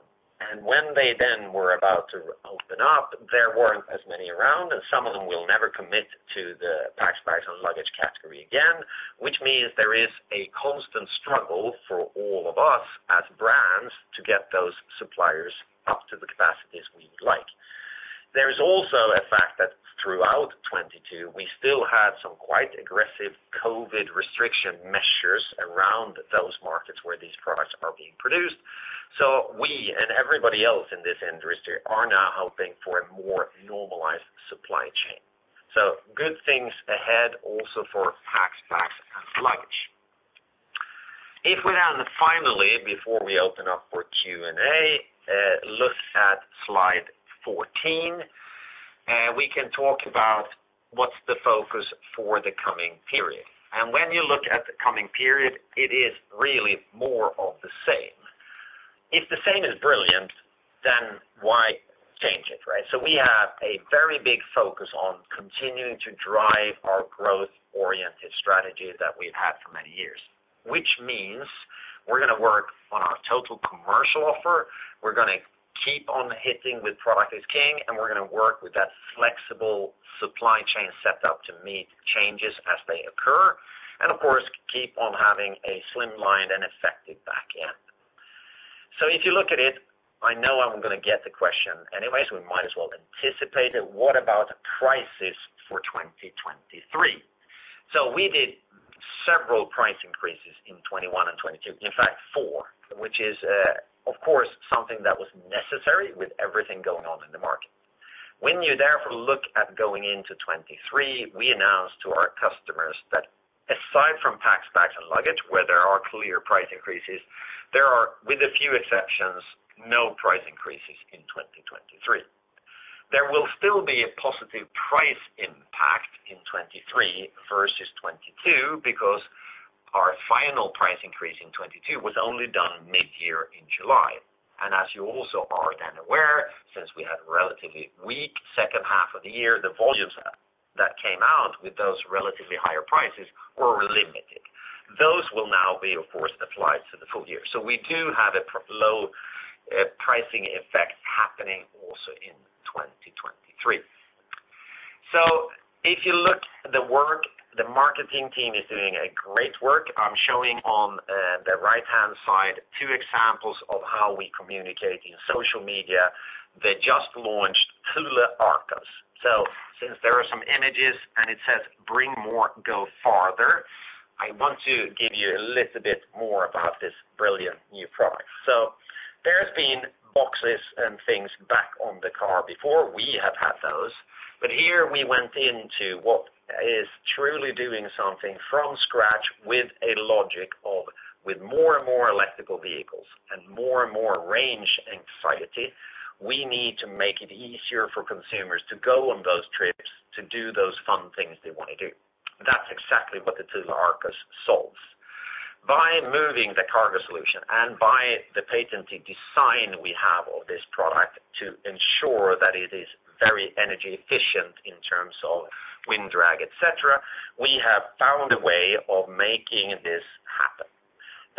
When they then were about to open up, there weren't as many around, and some of them will never commit to the Packs, Bags & Luggage category again, which means there is a constant struggle for all of us as brands to get those suppliers up to the capacities we'd like. There is also a fact that throughout 2022, we still had some quite aggressive COVID restriction measures around those markets where these products are being produced. We and everybody else in this industry are now hoping for a more normalized supply chain. Good things ahead also for Packs, Bags & Luggage. If we then finally, before we open up for Q&A, look at slide 14, we can talk about what's the focus for the coming period. When you look at the coming period, it is really more of the same. If the same is brilliant, then why change it, right? We have a very big focus on continuing to drive our growth-oriented strategies that we've had for many years, which means we're gonna work on our total commercial offer, we're gonna keep on hitting with product is king, and we're gonna work with that flexible supply chain set up to meet changes as they occur. Of course, keep on having a slim line and effective back end. If you look at it, I know I'm gonna get the question anyways, we might as well anticipate it. What about prices for 2023? We did several price increases in 2021 and 2022. In fact, 4, which is, of course, something that was necessary with everything going on in the market. When you therefore look at going into 2023, we announced to our customers that aside from Packs, Bags & Luggage, where there are clear price increases, there are, with a few exceptions, no price increases in 2023. There will still be a positive price impact in 2023 versus 2022 because our final price increase in 2022 was only done mid-year in July. As you also are then aware, since we had relatively weak second half of the year, the volumes that came out with those relatively higher prices were limited. Those will now be, of course, applied to the full year. We do have a low pricing effect happening also in 2023. If you look the work, the marketing team is doing a great work. I'm showing on the right-hand side two examples of how we communicate in social media. They just launched Thule Arcos. Since there are some images and it says, "Bring more, go farther," I want to give you a little bit more about this brilliant new product. Here we went into what is truly doing something from scratch with a logic of, with more and more electrical vehicles and more and more range anxiety, we need to make it easier for consumers to go on those trips, to do those fun things they wanna do. That's exactly what the Thule Arcos solves. By moving the cargo solution and by the patented design we have of this product to ensure that it is very energy efficient in terms of wind drag, et cetera, we have found a way of making this happen.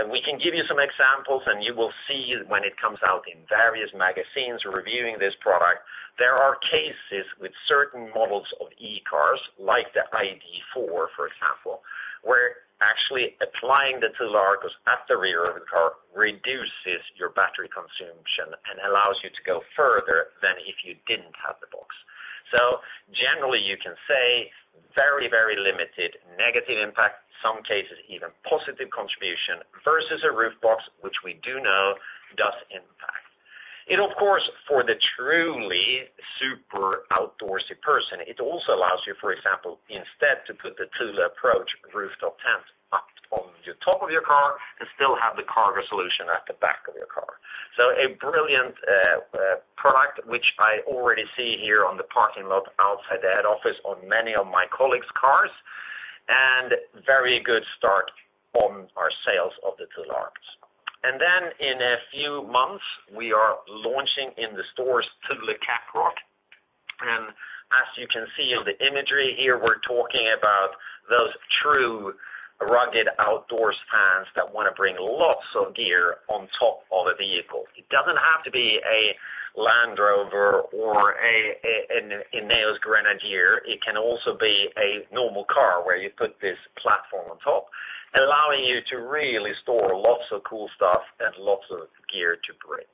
We can give you some examples, and you will see when it comes out in various magazines reviewing this product, there are cases with certain models of e-cars, like the ID.4, for example, where actually applying the Thule Arcos at the rear of the car reduces your battery consumption and allows you to go further than if you didn't have the box. Generally, you can say very, very limited negative impact, some cases even positive contribution versus a roof box, which we do know does impact. It, of course, for the truly super outdoorsy person, it also allows you, for example, instead to put the Thule Approach rooftop tent up on your top of your car and still have the cargo solution at the back of your car. A brilliant product, which I already see here on the parking lot outside the head office on many of my colleagues' cars, and very good start on our sales of the Thule Arcos. In a few months, we are launching in the stores Thule Caprock. As you can see on the imagery here, we're talking about those true rugged outdoors fans that wanna bring lots of gear on top of the vehicle. It doesn't have to be a Land Rover or an INEOS Grenadier. It can also be a normal car where you put this platform on top, allowing you to really store lots of cool stuff and lots of gear to bring.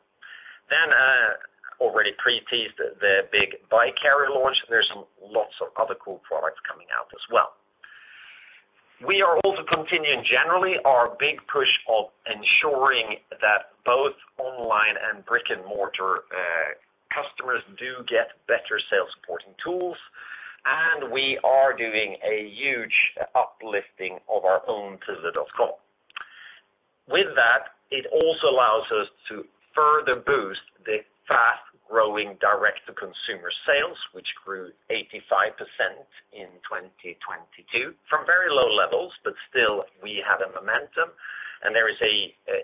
Already pre-teased the big bike carrier launch. There's lots of other cool products coming out as well. We are also continuing generally our big push of ensuring that both online and brick-and-mortar customers do get better sales supporting tools, and we are doing a huge uplifting of our own thule.com. With that, it also allows us to further boost the fast-growing direct-to-consumer sales, which grew 85% in 2022 from very low levels, but still we have a momentum. There is a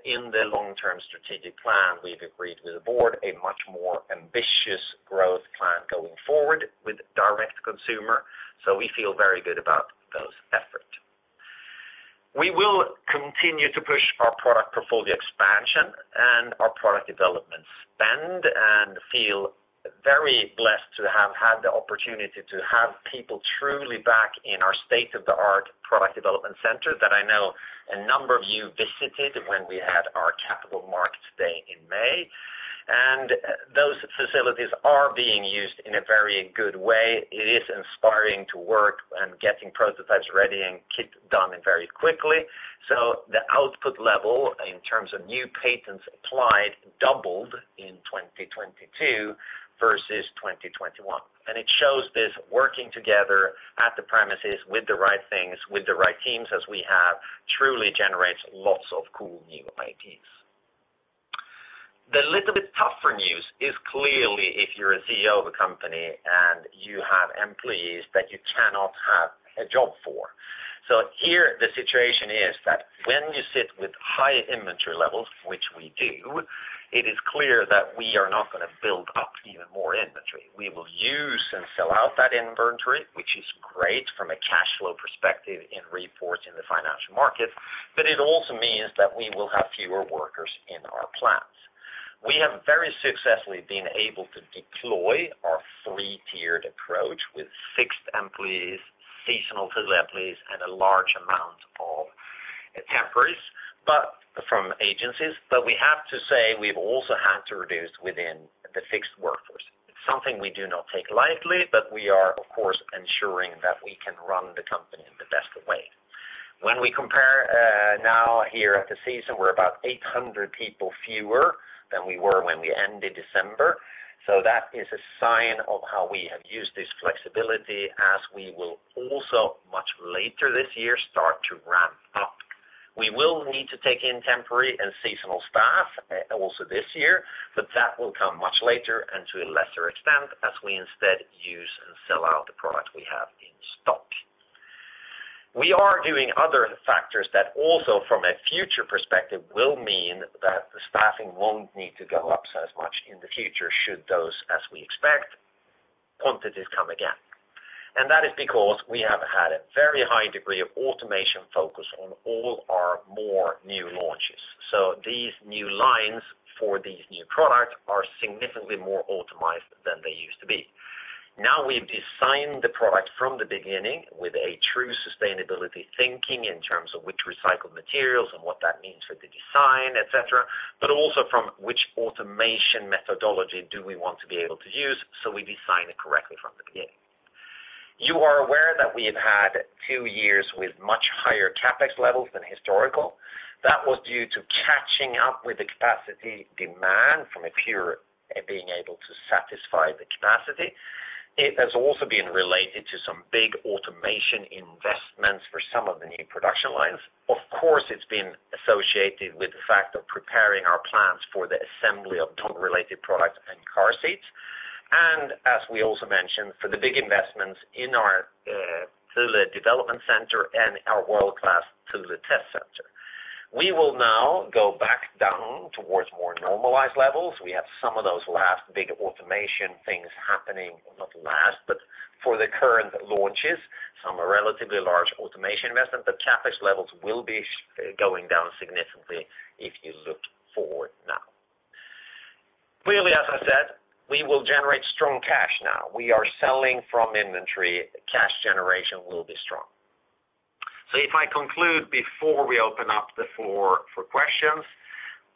in the long-term strategic plan, we've agreed with the Board a much more ambitious growth plan going forward with direct consumer. We feel very good about those efforts. We will continue to push our product portfolio expansion and our product development spend, and feel very blessed to have had the opportunity to have people truly back in our state-of-the-art product development center that I know a number of you visited when we had our Capital Markets Day in May. Those facilities are being used in a very good way. It is inspiring to work and getting prototypes ready and keep dominant very quickly. The output level in terms of new patents applied doubled in 2022 versus 2021. It shows this working together at the premises with the right things, with the right teams as we have, truly generates lots of cool new ideas. The little bit tougher news is clearly if you're a CEO of a company and you have employees that you cannot have a job for. Here the situation is that when you sit with high inventory levels, which we do, it is clear that we are not gonna build up even more inventory. We will use and sell out that inventory, which is great from a cash flow perspective in reports in the financial markets, but it also means that we will have fewer workers in our plants. We have very successfully been able to deploy our three-tiered approach with fixed employees, seasonal Thule employees, and a large amount of temporaries, but from agencies. We have to say we've also had to reduce within the fixed workforce. It's something we do not take lightly, but we are, of course, ensuring that we can run the company in the best way. When we compare, now here at the season, we're about 800 people fewer than we were when we ended December. That is a sign of how we have used this flexibility, as we will also, much later this year, start to ramp up. We will need to take in temporary and seasonal staff also this year, but that will come much later and to a lesser extent, as we instead use and sell out the product we have in stock. We are doing other factors that also from a future perspective, will mean that the staffing won't need to go up so much in the future, should those, as we expect, quantities come again. That is because we have had a very high degree of automation focus on all our more new launches. These new lines for these new products are significantly more automized than they used to be. Now, we've designed the product from the beginning with a true sustainability thinking in terms of which recycled materials and what that means for the design, et cetera, but also from which automation methodology do we want to be able to use, so we design it correctly from the beginning. You are aware that we have had two years with much higher CapEx levels than historical. That was due to catching up with the capacity demand from a pure being able to satisfy the capacity. It has also been related to some big automation investments for some of the new production lines. Of course, it's been associated with the fact of preparing our plants for the assembly of towbar-related products and car seats, and as we also mentioned, for the big investments in our Thule development center and our world-class Thule test center. We will now go back down towards more normalized levels. We have some of those last big automation things happening, not last, but for the current launches, some are relatively large automation investment, but CapEx levels will be going down significantly if you look forward now. Clearly, as I said, we will generate strong cash now. We are selling from inventory. Cash generation will be strong. If I conclude before we open up the floor for questions,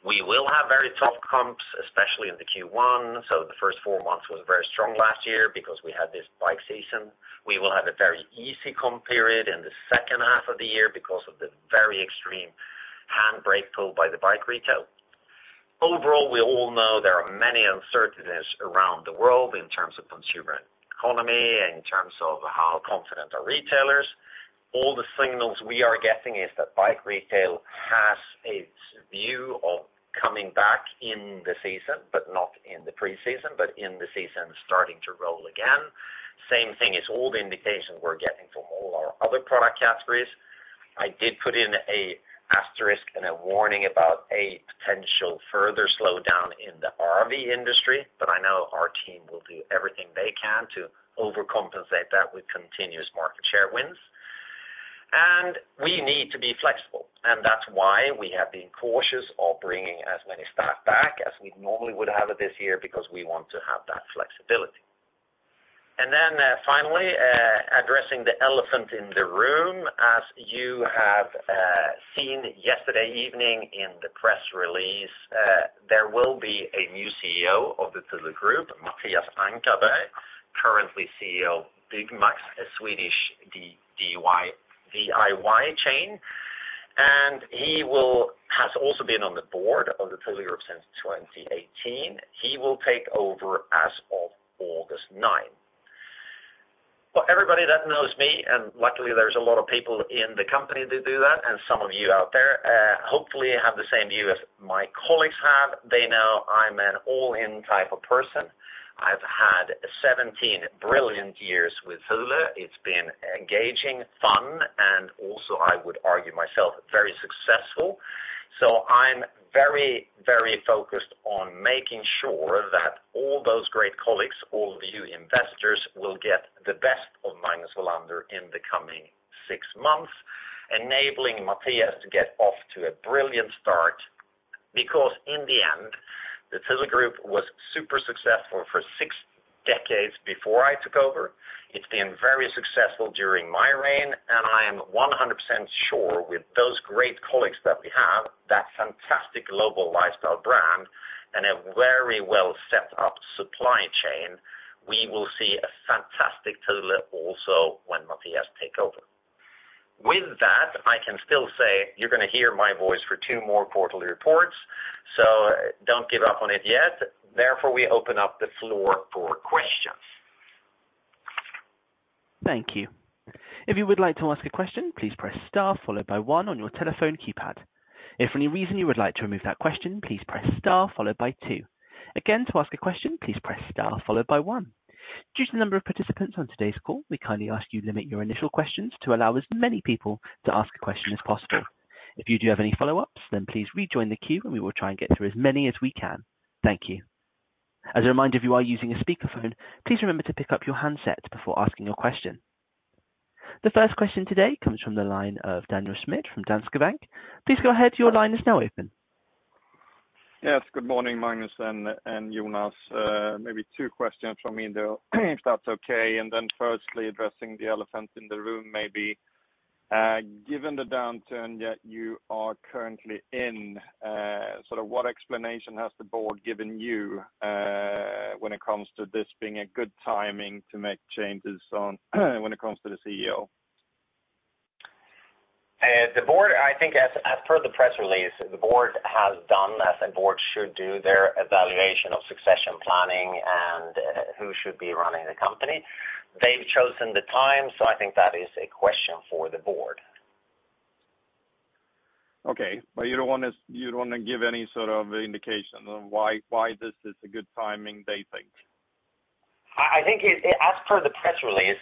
we will have very tough comps, especially in the Q1. The first four months was very strong last year because we had this bike season. We will have a very easy comp period in the second half of the year because of the very extreme handbrake pull by the bike retail. Overall, we all know there are many uncertainties around the world in terms of consumer economy, in terms of how confident are retailers. All the signals we are getting is that bike retail has its view of coming back in the season, but not in the preseason, but in the season starting to roll again. Same thing as all the indications we're getting from all our other product categories. I did put in a asterisk and a warning about a potential further slowdown in the RV industry, but I know our team will do everything they can to overcompensate that with continuous market share wins. We need to be flexible, and that's why we have been cautious of bringing as many staff back as we normally would have this year because we want to have that flexibility. Finally, addressing the elephant in the room. As you have seen yesterday evening in the press release, there will be a new CEO of the Thule Group, Mattias Ankarberg, currently CEO Byggmax, a Swedish DIY chain. He has also been on the Board of the Thule Group since 2018. He will take over as of August 9th. For everybody that knows me, and luckily there's a lot of people in the company that do that, and some of you out there, hopefully have the same view as my colleagues have. They know I'm an all-in type of person. I've had 17 brilliant years with Thule. It's been engaging, fun, and also I would argue myself, very successful. I'm very, very focused on making sure that all those great colleagues, all of you investors, will get the best of Magnus Welander in the coming six months, enabling Mattias to get off to a brilliant start. In the end, the Thule Group was super successful for six decades before I took over. It's been very successful during my reign. I am 100% sure with those great colleagues that we have, that fantastic global lifestyle brand and a very well set up supply chain, we will see a fantastic Thule also when Mattias take over. With that, I can still say you're gonna hear my voice for two more quarterly reports. Don't give up on it yet. Therefore, we open up the floor for questions. Thank you. If you would like to ask a question, please press star followed by one on your telephone keypad. If for any reason you would like to remove that question, please press star followed by two. Again, to ask a question, please press star followed by one. Due to the number of participants on today's call, we kindly ask you limit your initial questions to allow as many people to ask a question as possible. If you do have any follow-ups, then please rejoin the queue and we will try and get through as many as we can. Thank you. As a reminder, if you are using a speakerphone, please remember to pick up your handset before asking your question. The first question today comes from the line of Daniel Schmidt from Danske Bank. Please go ahead. Your line is now open. Yes, good morning, Magnus and Jonas. Maybe two questions from me, though, if that's okay. Firstly, addressing the elephant in the room maybe. Given the downturn that you are currently in, sort of what explanation has the Board given you, when it comes to this being a good timing to make changes when it comes to the CEO? The Board, I think as per the press release, the Board has done, as a Board should do, their evaluation of succession planning and who should be running the company. They've chosen the time. I think that is a question for the Board. Okay. You don't wanna give any sort of indication on why this is a good timing, they think? I think as per the press release,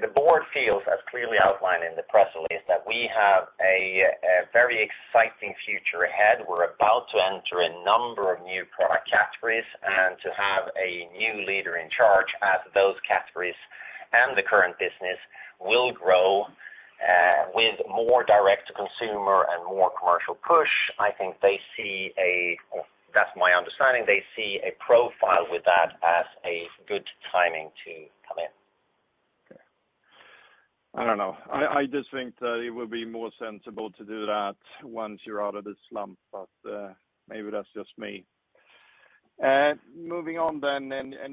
the Board feels, as clearly outlined in the press release, that we have a very exciting future ahead. We're about to enter a number of new product categories and to have a new leader in charge as those categories and the current business will grow with more direct-to-consumer and more commercial push. I think they see a profile with that as a good timing to come in. That's my understanding. Okay. I don't know. I just think that it would be more sensible to do that once you're out of this slump, but maybe that's just me. Moving on.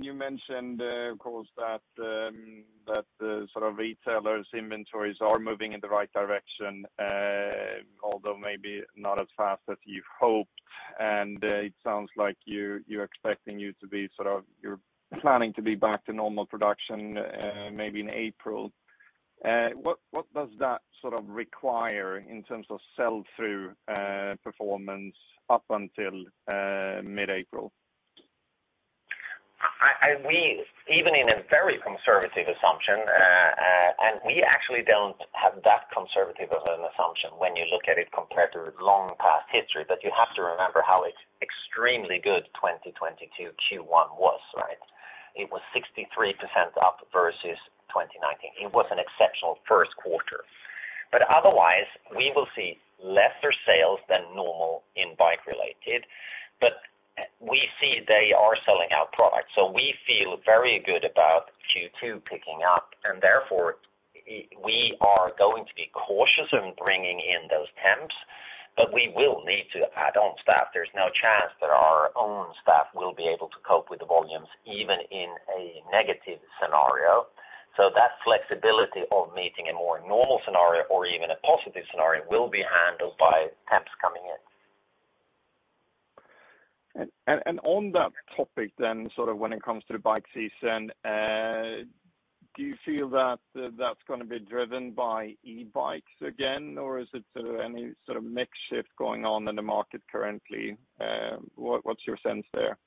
You mentioned of course that the sort of retailers' inventories are moving in the right direction, although maybe not as fast as you hoped. It sounds like you're planning to be back to normal production maybe in April. What does that sort of require in terms of sell-through performance up until mid-April? Even in a very conservative assumption, and we actually don't have that conservative of an assumption when you look at it compared to long past history. You have to remember how extremely good 2022 Q1 was, right? It was 63% up versus 2019. It was an exceptional first quarter. Otherwise, we will see lesser sales than normal in bike-related. We see they are selling our products, so we feel very good about Q2 picking up and therefore, we are going to be cautious in bringing in those temps, but we will need to add on staff. There's no chance that our own staff will be able to cope with the volumes even in a negative scenario. That flexibility of meeting a more normal scenario or even a positive scenario will be handled by temps coming in. On that topic, sort of when it comes to the bike season, do you feel that that's gonna be driven by e-bikes again, or is it any sort of mix shift going on in the market currently? What's your sense there?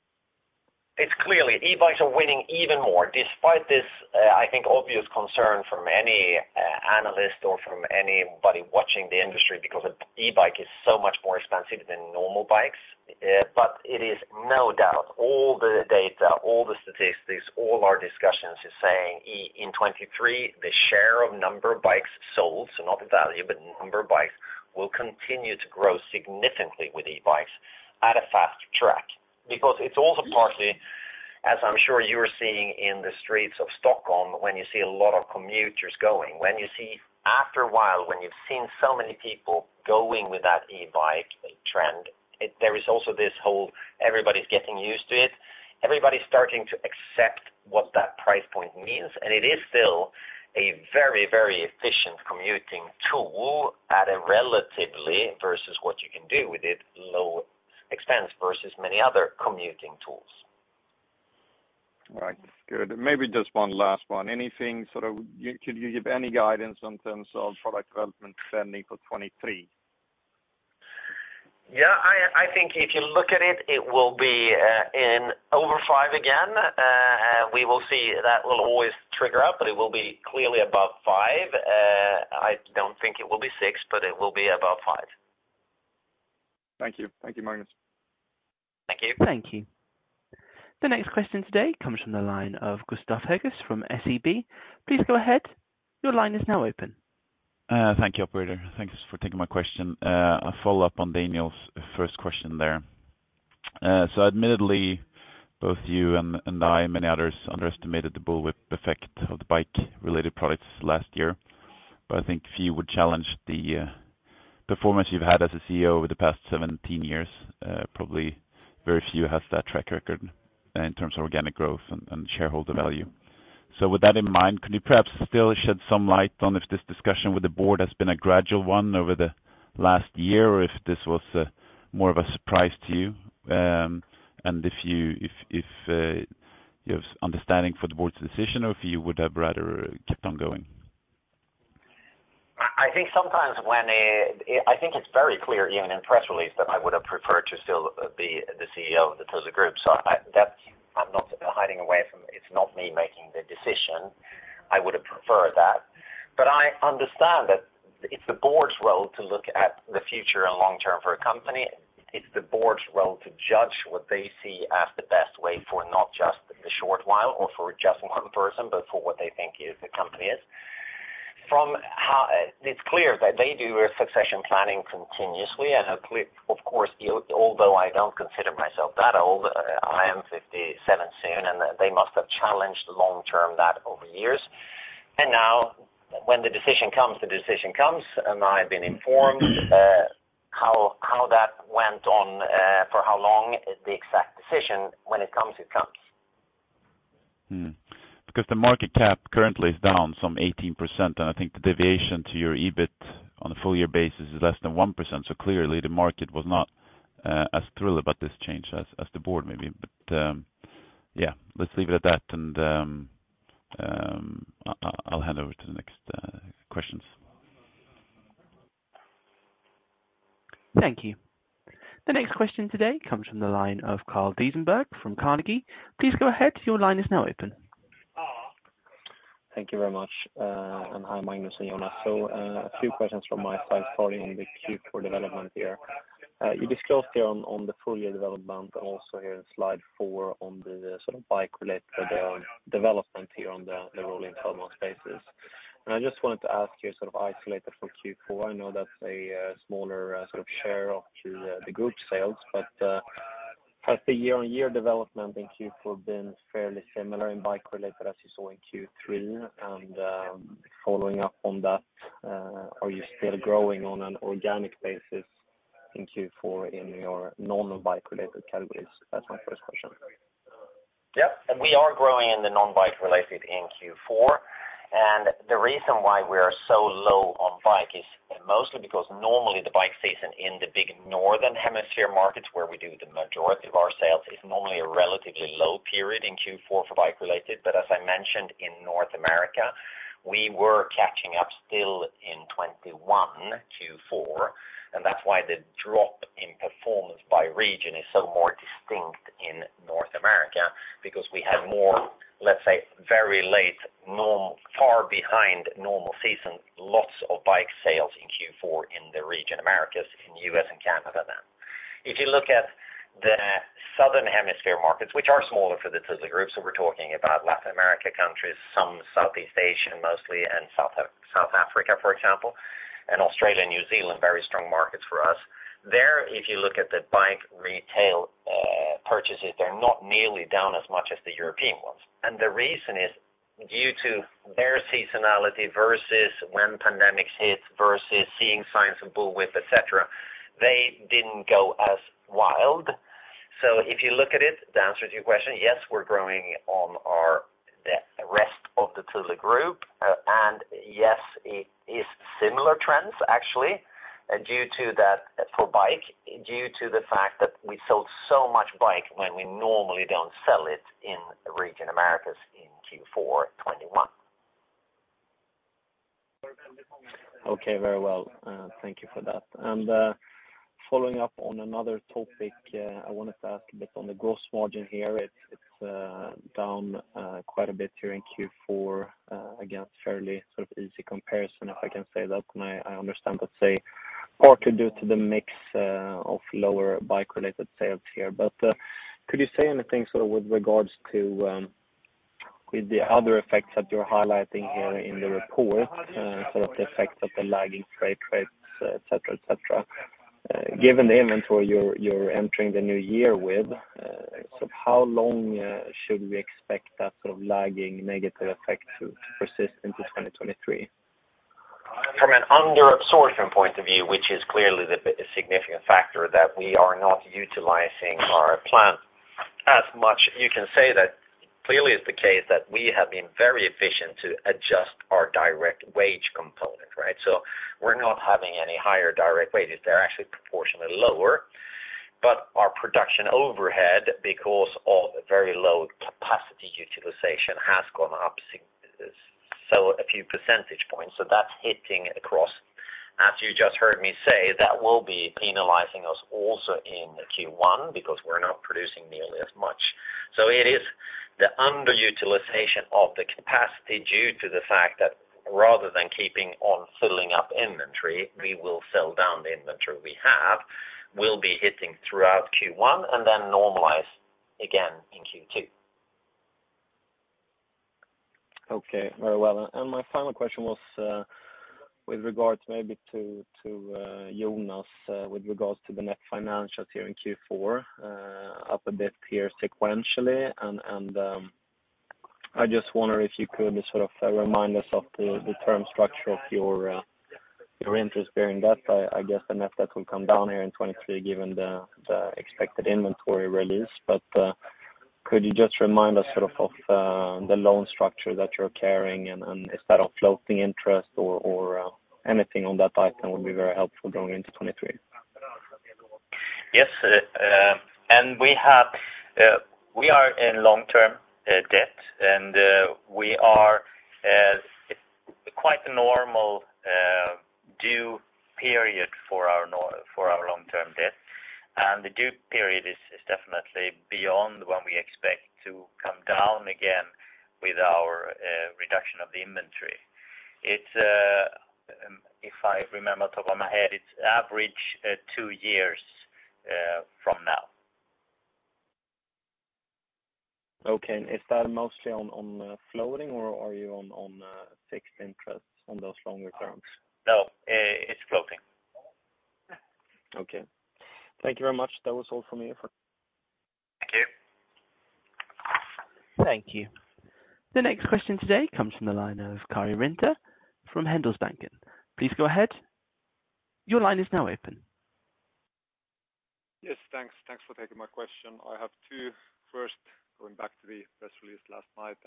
It's clearly e-bikes are winning even more despite this, I think, obvious concern from any analyst or from anybody watching the industry because an e-bike is so much more expensive than normal bikes. It is no doubt all the data, all the statistics, all our discussions is saying in 23, the share of number of bikes sold, so not the value, but number of bikes, will continue to grow significantly with e-bikes at a fast track. It's also partly, as I'm sure you are seeing in the streets of Stockholm, when you see a lot of commuters going. After a while, when you've seen so many people going with that e-bike trend, there is also this whole everybody's getting used to it. Everybody's starting to accept what that price point means. It is still a very, very efficient commuting tool at a relatively, versus what you can do with it, low expense versus many other commuting tools. Right. Good. Maybe just one last one. Anything sort of. Could you give any guidance in terms of product development planning for 23? I think if you look at it will be in over five again. We will see that will always trigger up, but it will be clearly above five. I don't think it will be six, but it will be above five. Thank you. Thank you, Magnus. Thank you. Thank you. The next question today comes from the line of Gustav Hagéus from SEB. Please go ahead. Your line is now open. Thank you, operator. Thanks for taking my question. A follow-up on Daniel's first question there. Admittedly, both you and I and many others underestimated the bullwhip effect of the bike-related products last year. I think few would challenge the performance you've had as a CEO over the past 17 years. Probably very few have that track record in terms of organic growth and shareholder value. With that in mind, can you perhaps still shed some light on if this discussion with the Board has been a gradual one over the last year, or if this was more of a surprise to you? If you have understanding for the Board's decision or if you would have rather kept on going? I think sometimes I think it's very clear even in press release that I would have preferred to still be the CEO of the Thule Group. I'm not hiding away from it. It's not me making the decision. I would have preferred that. I understand it's the Board's role to look at the future and long term for a company. It's the Board's role to judge what they see as the best way for not just the short while or for just one person, but for what they think is the company is. It's clear that they do a succession planning continuously. Of course, although I don't consider myself that old, I am 57 soon, and they must have challenged long term that over years. Now when the decision comes, the decision comes, and I've been informed, how that went on, for how long, the exact decision when it comes, it comes. The market cap currently is down some 18%. I think the deviation to your EBIT on a full year basis is less than 1%. Clearly, the market was not as thrilled about this change as the Board maybe. Yeah, let's leave it at that. I'll hand over to the next questions. Thank you. The next question today comes from the line of Carl Deijenberg from Carnegie. Please go ahead. Your line is now open. Thank you very much. Hi, Magnus and Jonas. Two questions from my side, starting on the Q4 development here. You disclosed here on the full year development and also here in slide four on the sort of bike-related development here on the rolling 12-month basis. I just wanted to ask you sort of isolated from Q4, I know that's a smaller sort of share of the group sales, but has the year-on-year development in Q4 been fairly similar in bike-related sales as you saw in Q3? Following up on that, are you still growing on an organic basis in Q4 in your normal bike-related categories? That's my first question. We are growing in the non-bike-related in Q4. The reason why we are so low on bike is mostly because normally the bike season in the big northern hemisphere markets, where we do the majority of our sales, is normally a relatively low period in Q4 for bike-related. As I mentioned, in North America, we were catching up still in 2021 Q4, and that's why the drop in performance by region is so more distinct in North America because we had more, let's say, very late far behind normal season, lots of bike sales in Q4 in the region Americas, in US and Canada then. If you look at the southern hemisphere markets, which are smaller for the, to the groups, we're talking about Latin America countries, some Southeast Asian, mostly, and South Africa, for example, and Australia and New Zealand, very strong markets for us. There, if you look at the bike retail purchases, they're not nearly down as much as the European ones. The reason is due to their seasonality versus when pandemic hits versus seeing signs of bullwhip, et cetera, they didn't go as wild. If you look at it, the answer to your question, yes, we're growing on our, the rest of the Thule Group. Yes, it is similar trends actually due to that for bike, due to the fact that we sold so much bike when we normally don't sell it in the region Americas in Q4 2021. Okay, very well. Thank you for that. Following up on another topic, I wanted to ask a bit on the gross margin here. It's down quite a bit here in Q4 against fairly sort of easy comparison, if I can say that. I understand that say partly due to the mix of lower bike-related sales here. Could you say anything sort of with regards to with the other effects that you're highlighting here in the report, sort of the effect of the lagging freight rates, et cetera, et cetera. Given the inventory you're entering the new year with, sort of how long should we expect that sort of lagging negative effect to persist into '23? From an under absorption point of view, which is clearly the significant factor that we are not utilizing our plant as much, you can say that clearly it's the case that we have been very efficient to adjust our direct wage component, right? We're not having any higher direct wages. They're actually proportionately lower. Our production overhead, because of very low capacity utilization, has gone up a few percentage points. That's hitting across. As you just heard me say, that will be penalizing us also in Q1 because we're not producing nearly as much. It is the underutilization of the capacity due to the fact that rather than keeping on filling up inventory, we will sell down the inventory we have, will be hitting throughout Q1 and then normalize again in Q2. Okay, very well. My final question was with regards maybe to Jonas, with regards to the net financials here in Q4, up a bit here sequentially. I just wonder if you could sort of remind us of the term structure of your interest bearing debt. I guess the net debt will come down here in 2023 given the expected inventory release. Could you just remind us sort of the loan structure that you're carrying, and is that on floating interest or anything on that item would be very helpful going into 2023? Yes. We have, we are in long-term debt, and we are quite normal due period for our long-term debt. The due period is definitely beyond when we expect to come down again with our reduction of the inventory. It's, if I remember top of my head, it's average at 2 years from now. Okay. Is that mostly on floating or are you on fixed interest on those longer terms? No, it's floating. Okay. Thank you very much. That was all from me for. Thank you. Thank you. The next question today comes from the line of Karri Rinta from Handelsbanken. Please go ahead. Your line is now open. Yes, thanks. Thanks for taking my question. I have two. First, going back to the press release last night,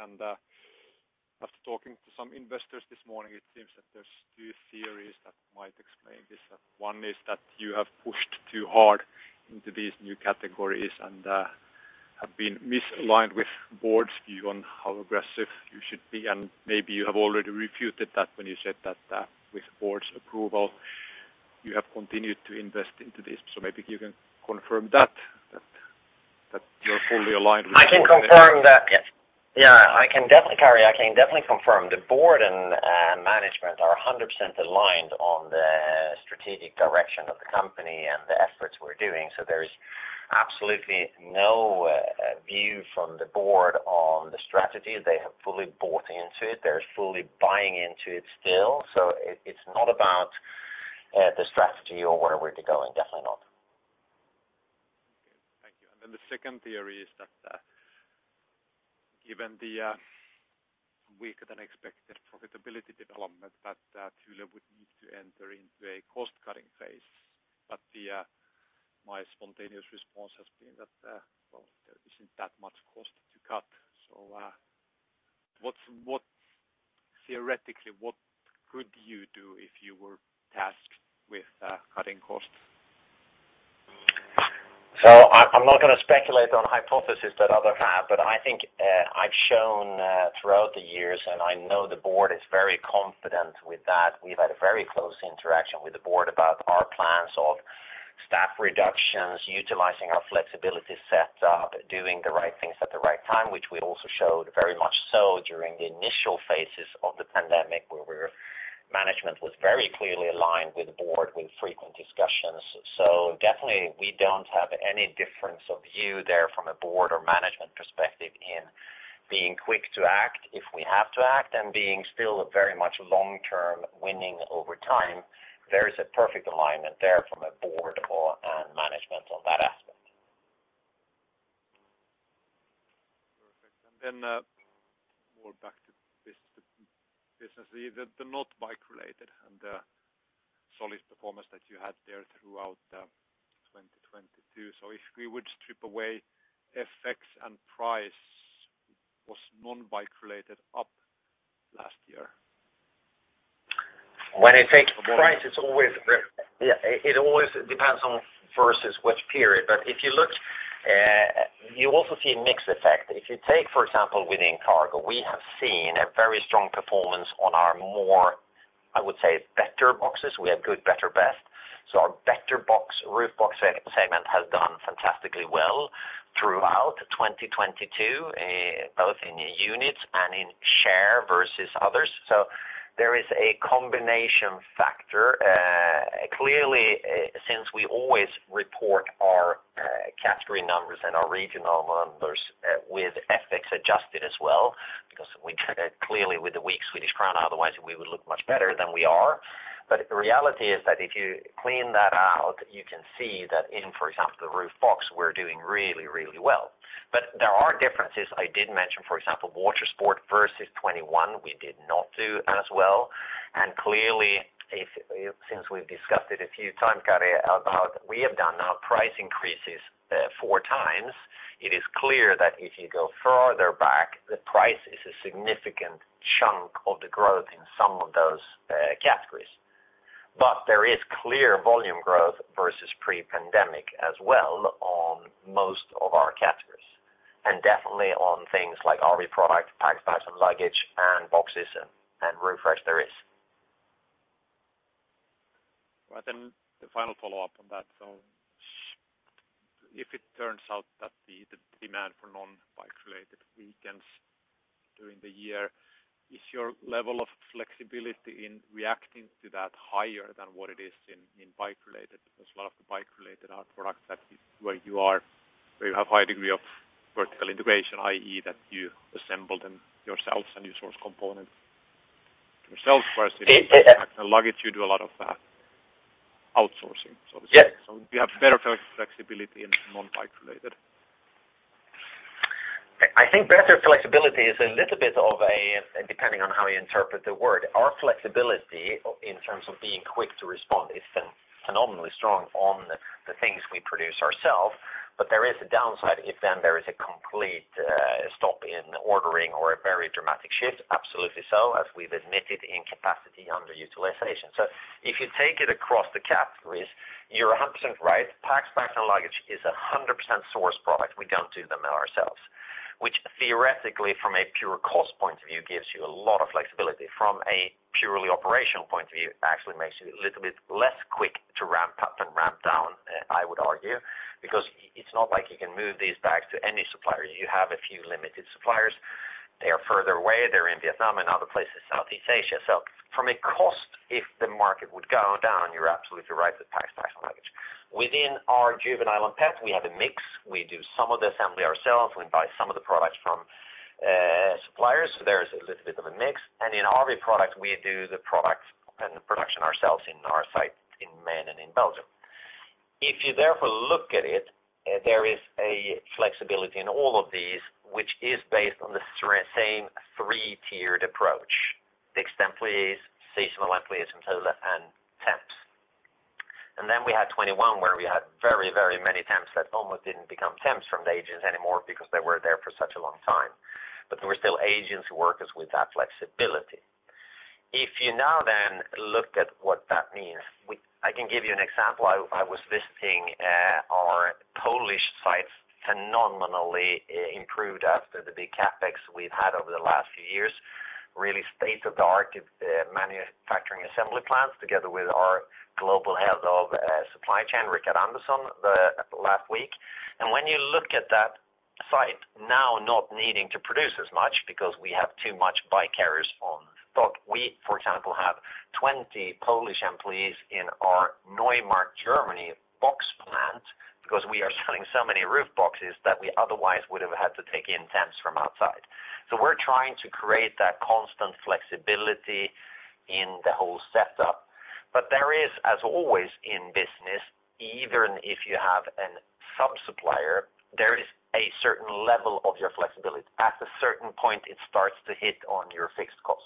after talking to some investors this morning, it seems that there's two theories that might explain this. One is that you have pushed too hard into these new categories and have been misaligned with Board's view on how aggressive you should be. Maybe you have already refuted that when you said that, with Board's approval, you have continued to invest into this. Maybe you can confirm that you're fully aligned with the Board. I can confirm that. I can definitely, Karri, I can definitely confirm the Board and Management are 100% aligned on the strategic direction of the company and the efforts we're doing. There is absolutely no view from the Board on the strategy. They have fully bought into it. They're fully buying into it still. It's not about the strategy or where we're going, definitely not. Thank you. The second theory is that, given the weaker than expected profitability development that Thule would need to enter into a cost-cutting phase. My spontaneous response has been that, well, there isn't that much cost to cut. Theoretically, what could you do if you were tasked with cutting costs? I'm not gonna speculate on hypothesis that others have. I think, I've shown throughout the years, and I know the Board is very confident with that. We've had a very close interaction with the Board about our plans of staff reductions, utilizing our flexibility set up, doing the right things at the right time, which we also showed very much so during the initial phases of the pandemic, where management was very clearly aligned with the Board with frequent discussions. Definitely, we don't have any difference of view there from a Board or Management perspective in being quick to act if we have to act and being still very much long-term winning over time. There is a perfect alignment there from a Board and Management on that aspect. Perfect. More back to this is the not bike-related and the solid performance that you had there throughout 2022. If we would strip away FX and price, was non-bike-related up last year? When you take price, it's always, yeah, it always depends on versus which period. If you look, you also see a mix effect. If you take, for example, within cargo, we have seen a very strong performance on our more, I would say, better boxes. We have good, better, best. Our better box, roof box segment has done fantastically well throughout 2022, both in units and in share versus others. There is a combination factor. Clearly, since we always report our category numbers and our regional numbers with FX adjusted as well, because we clearly with the weak Swedish Crown, otherwise we would look much better than we are. The reality is that if you clean that out, you can see that in, for example, the roof box, we're doing really, really well. There are differences. I did mention, for example, Water Sport versus 2021, we did not do as well. Clearly, since we've discussed it a few times, Karri, about we have done now price increases, 4x, it is clear that if you go further back, the price is a significant chunk of the growth in some of those categories. There is clear volume growth versus pre-pandemic as well on most of our categories, and definitely on things like RV Products, Packs, Bags & Luggage, and boxes and roof racks, there is. The final follow-up on that. If it turns out that the demand for non-bike-related weakens during the year, is your level of flexibility in reacting to that higher than what it is in bike-related? Because a lot of the bike-related are products that where you have high degree of vertical integration, i.e. that you assembled them yourselves and you source components yourself, versus packs and luggage, you do a lot of outsourcing. You have better flexibility in non-bike-related. I think better flexibility is a little bit of a, depending on how you interpret the word, our flexibility in terms of being quick to respond is phenomenally strong on the things we produce ourselves. There is a downside if then there is a complete stop in ordering or a very dramatic shift. Absolutely. As we've admitted in capacity underutilization. If you take it across the categories, you're 100% right. Packs, Bags & Luggage is 100% source product. We don't do them ourselves, which theoretically from a pure cost point of view gives you a lot of flexibility. From a purely operational point of view, it actually makes you a little bit less quick to ramp up and ramp down, I would argue, because it's not like you can move these back to any supplier. You have a few limited suppliers. They are further away. They're in Vietnam and other places, Southeast Asia. From a cost, if the market would go down, you're absolutely right with tax and luggage. Within our Juvenile & Pet Products, we have a mix. We do some of the assembly ourselves. We buy some of the products from suppliers. There's a little bit of a mix. In RV Products, we do the products and the production ourselves in our site in Maine and in Belgium. If you therefore look at it, there is a flexibility in all of these, which is based on the same three-tiered approach. Fixed employees, seasonal employees from Thule, and temps. We had 21, where we had very, very many temps that almost didn't become temps from the agents anymore because they were there for such a long time. There were still agents who work us with that flexibility. If you now look at what that means, I can give you an example. I was visiting our Polish sites phenomenally improved after the big CapEx we've had over the last few years, really state-of-the-art manufacturing assembly plants, together with our global head of supply chain, Rick Anderson, the last week. When you look at that site now not needing to produce as much because we have too much bike carriers on stock. We, for example, have 20 Polish employees in our Neumarkt, Germany, box plant because we are selling so many roof boxes that we otherwise would have had to take in temps from outside. We're trying to create that constant flexibility in the whole setup. There is, as always in business, even if you have a sub-supplier, there is a certain level of your flexibility. At a certain point, it starts to hit on your fixed costs.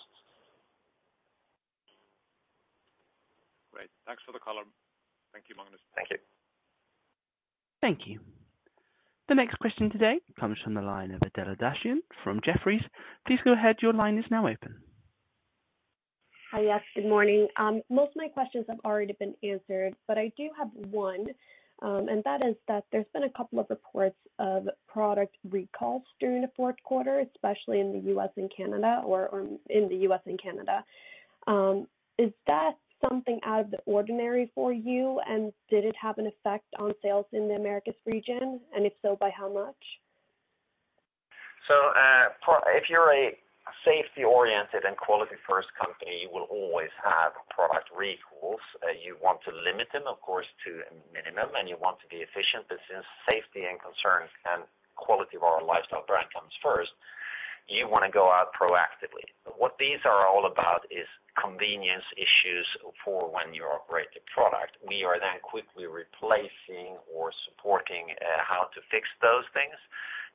Great. Thanks for the color. Thank you, Magnus. Thank you. Thank you. The next question today comes from the line of Adela Dashian from Jefferies. Please go ahead. Your line is now open. Hi. Yes, good morning. Most of my questions have already been answered, but I do have one. That is that there's been a couple of reports of product recalls during the fourth quarter, especially in the U.S. and Canada or in the U.S. and Canada. Is that something out of the ordinary for you? Did it have an effect on sales in the Americas region? If so, by how much? If you're a safety-oriented and quality-first company, you will always have product recalls. You want to limit them, of course, to a minimum, and you want to be efficient. Since safety and concerns and quality of our lifestyle brand comes first, you want to go out proactively. What these are all about is convenience issues for when you operate the product. We are then quickly replacing or supporting how to fix those things.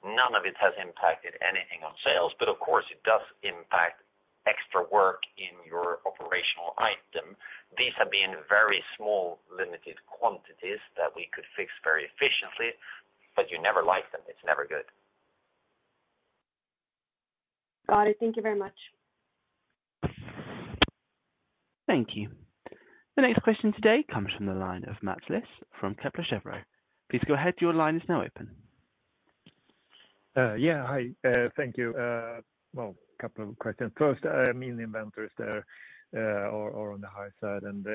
None of it has impacted anything on sales. Of course, it does impact extra work in your operational item. These have been very small, limited quantities that we could fix very efficiently. You never like them. It's never good. Got it. Thank you very much. Thank you. The next question today comes from the line of Mats Liss from Kepler Cheuvreux. Please go ahead. Your line is now open. Yeah. Hi. Thank you. Well, a couple of questions. First, I mean, the inventories there, are on the high side, and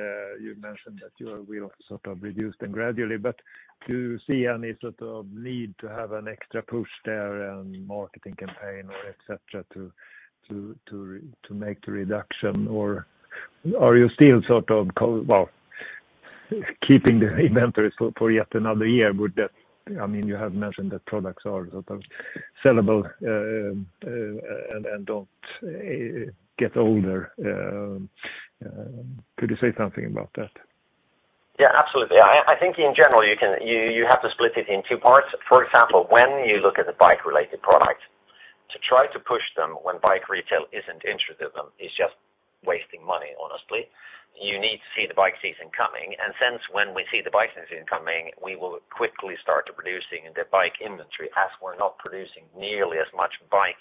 you mentioned that you will sort of reduce them gradually, but do you see any sort of need to have an extra push there and marketing campaign or et cetera to make the reduction? Or are you still sort of well, keeping the inventories for yet another year? Would that. I mean, you have mentioned that products are sort of sellable, and don't get older. Could you say something about that? Yeah, absolutely. I think in general, you have to split it in two parts. For example, when you look at the bike-related products, to try to push them when bike retail isn't interested in them is just wasting money, honestly. You need to see the bike season coming. Since when we see the bike season coming, we will quickly start producing the bike inventory as we're not producing nearly as much bike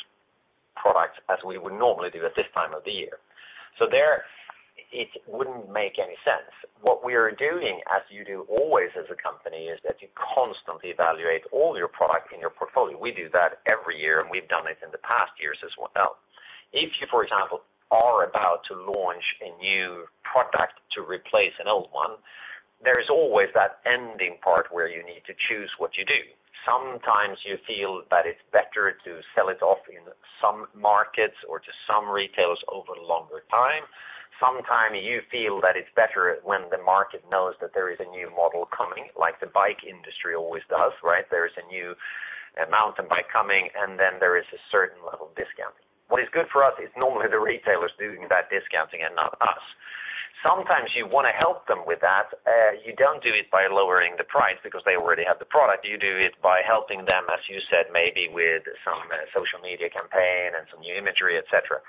products as we would normally do at this time of the year. There, it wouldn't make any sense. What we are doing, as you do always as a company, is that you constantly evaluate all your products in your portfolio. We do that every year, and we've done it in the past years as well. If you, for example, are about to launch a new product to replace an old one, there's always that ending part where you need to choose what you do. Sometimes you feel that it's better to sell it off in some markets or to some retailers over longer time. Sometimes you feel that it's better when the market knows that there is a new model coming, like the bike industry always does, right? There's a new mountain bike coming, then there is a certain level of discounting. What is good for us is normally the retailer is doing that discounting and not us. Sometimes you want to help them with that. You don't do it by lowering the price because they already have the product. You do it by helping them, as you said, maybe with some social media campaign and some new imagery, et cetera.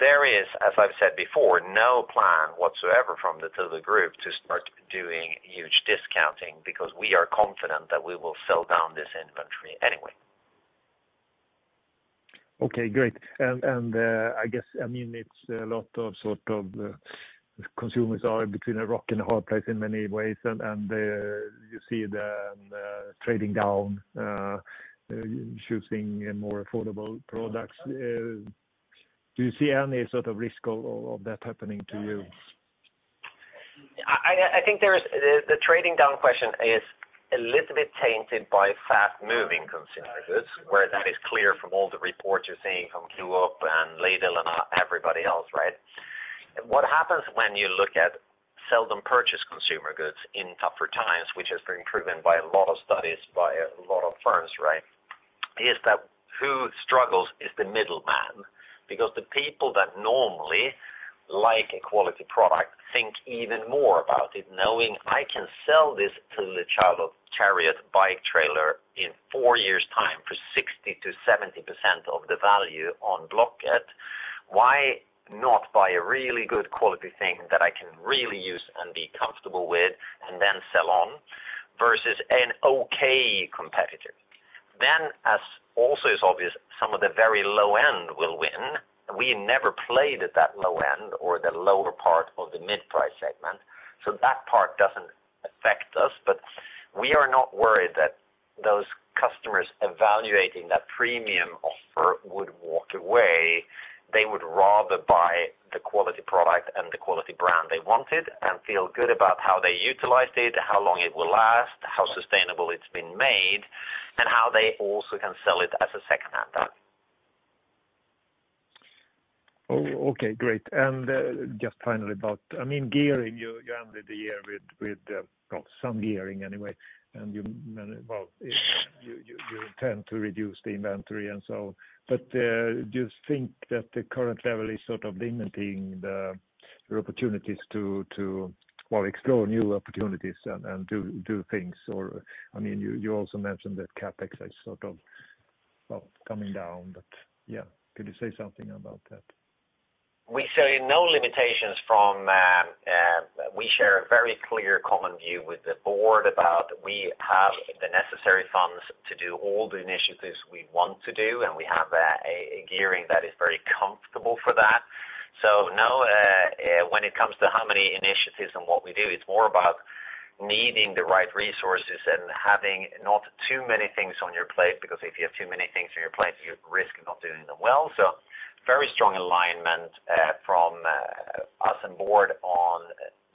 There is, as I've said before, no plan whatsoever from the Thule Group to start doing huge discounting because we are confident that we will sell down this inventory anyway. Okay, great. I guess, I mean, it's a lot of sort of consumers are between a rock and a hard place in many ways, and, you see the trading down, choosing a more affordable products. Do you see any sort of risk of that happening to you? I think the trading down question is a little bit tainted by fast-moving consumer goods, where that is clear from all the reports you're seeing from Co-op and Lidl and everybody else, right? What happens when you look at seldom purchase consumer goods in tougher times, which has been proven by a lot of studies by a lot of firms, right? Is that who struggles is the middleman, because the people that normally like a quality product think even more about it, knowing I can sell this Thule Chariot bike trailer in four years' time for 60%-70% of the value on Blocket. Why not buy a really good quality thing that I can really use and be comfortable with and then sell on versus an okay competitor? As also is obvious, some of the very low end will win. We never played at that low end or the lower part of the mid-price segment. That part doesn't affect us. We are not worried that those customers evaluating that premium offer would walk away. They would rather buy the quality product and the quality brand they wanted and feel good about how they utilized it, how long it will last, how sustainable it's been made, and how they also can sell it as a secondhand item. Okay, great. Just finally about, I mean, gearing, you ended the year with, well, some gearing anyway, and you tend to reduce the inventory and so on. Do you think that the current level is sort of limiting your opportunities to, well, explore new opportunities and do things? I mean, you also mentioned that CapEx is sort of, well, coming down, but yeah. Could you say something about that? We see no limitations from. We share a very clear common view with the Board about we have the necessary funds to do all the initiatives we want to do, and we have a gearing that is very comfortable for that. No, when it comes to how many initiatives and what we do, it's more about needing the right resources and having not too many things on your plate, because if you have too many things on your plate, you risk not doing them well. Very strong alignment from us and Board on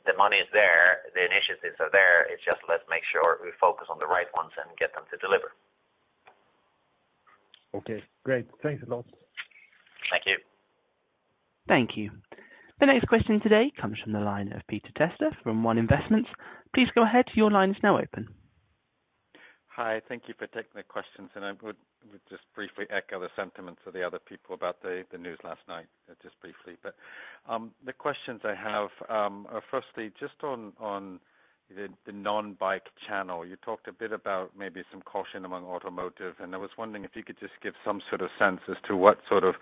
the money's there, the initiatives are there. It's just let's make sure we focus on the right ones and get them to deliver. Okay, great. Thanks a lot. Thank you. Thank you. The next question today comes from the line of Peter Testa from One Investments. Please go ahead. Your line is now open. Hi. Thank you for taking the questions. I would just briefly echo the sentiments of the other people about the news last night, just briefly. The questions I have, are firstly, just on the non-bike channel. You talked a bit about maybe some caution among automotive, and I was wondering if you could just give some sort of sense as to what sort of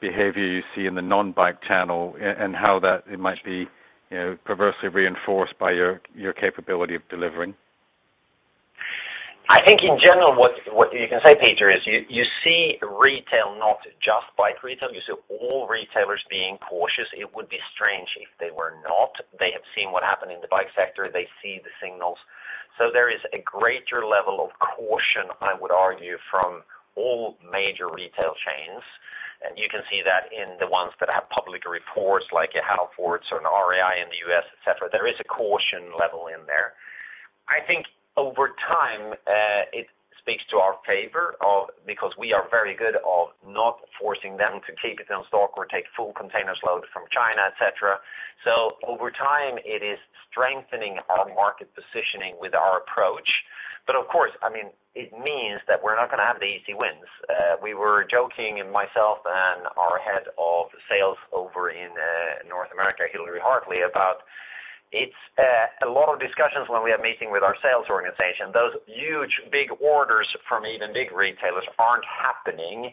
behavior you see in the non-bike channel and how that it might be, you know, perversely reinforced by your capability of delivering. I think in general what you can say, Peter, is you see retail, not just bike retail, you see all retailers being cautious. It would be strange if they were not. They have seen what happened in the bike sector. They see the signals. There is a greater level of caution, I would argue, from all major retail chains. You can see that in the ones that have public reports, like a Halfords or an REI in the U.S., et cetera. There is a caution level in there. I think over time, it speaks to our favor of because we are very good of not forcing them to keep it in stock or take full containers load from China, et cetera. Over time, it is strengthening our market positioning with our approach. Of course, I mean, it means that we're not gonna have the easy wins. We were joking, myself and our Head of Sales over in North America, Hilary Hartley, about it's a lot of discussions when we are meeting with our sales organization. Those huge big orders from even big retailers aren't happening,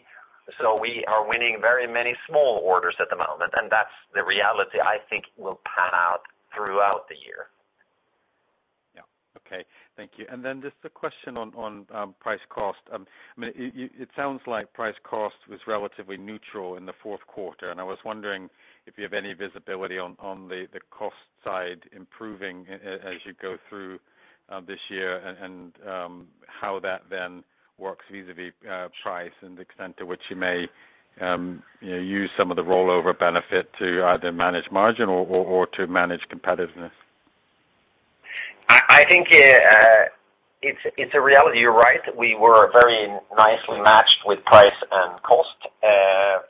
so we are winning very many small orders at the moment, and that's the reality I think will pan out throughout the year. Yeah. Okay. Thank you. Just a question on price cost. I mean, it sounds like price cost was relatively neutral in the fourth quarter. I was wondering if you have any visibility on the cost side improving as you go through this year and how that then works vis-a-vis price and the extent to which you may, you know, use some of the rollover benefit to either manage margin or to manage competitiveness. I think, it's a reality. You're right. We were very nicely matched with price and cost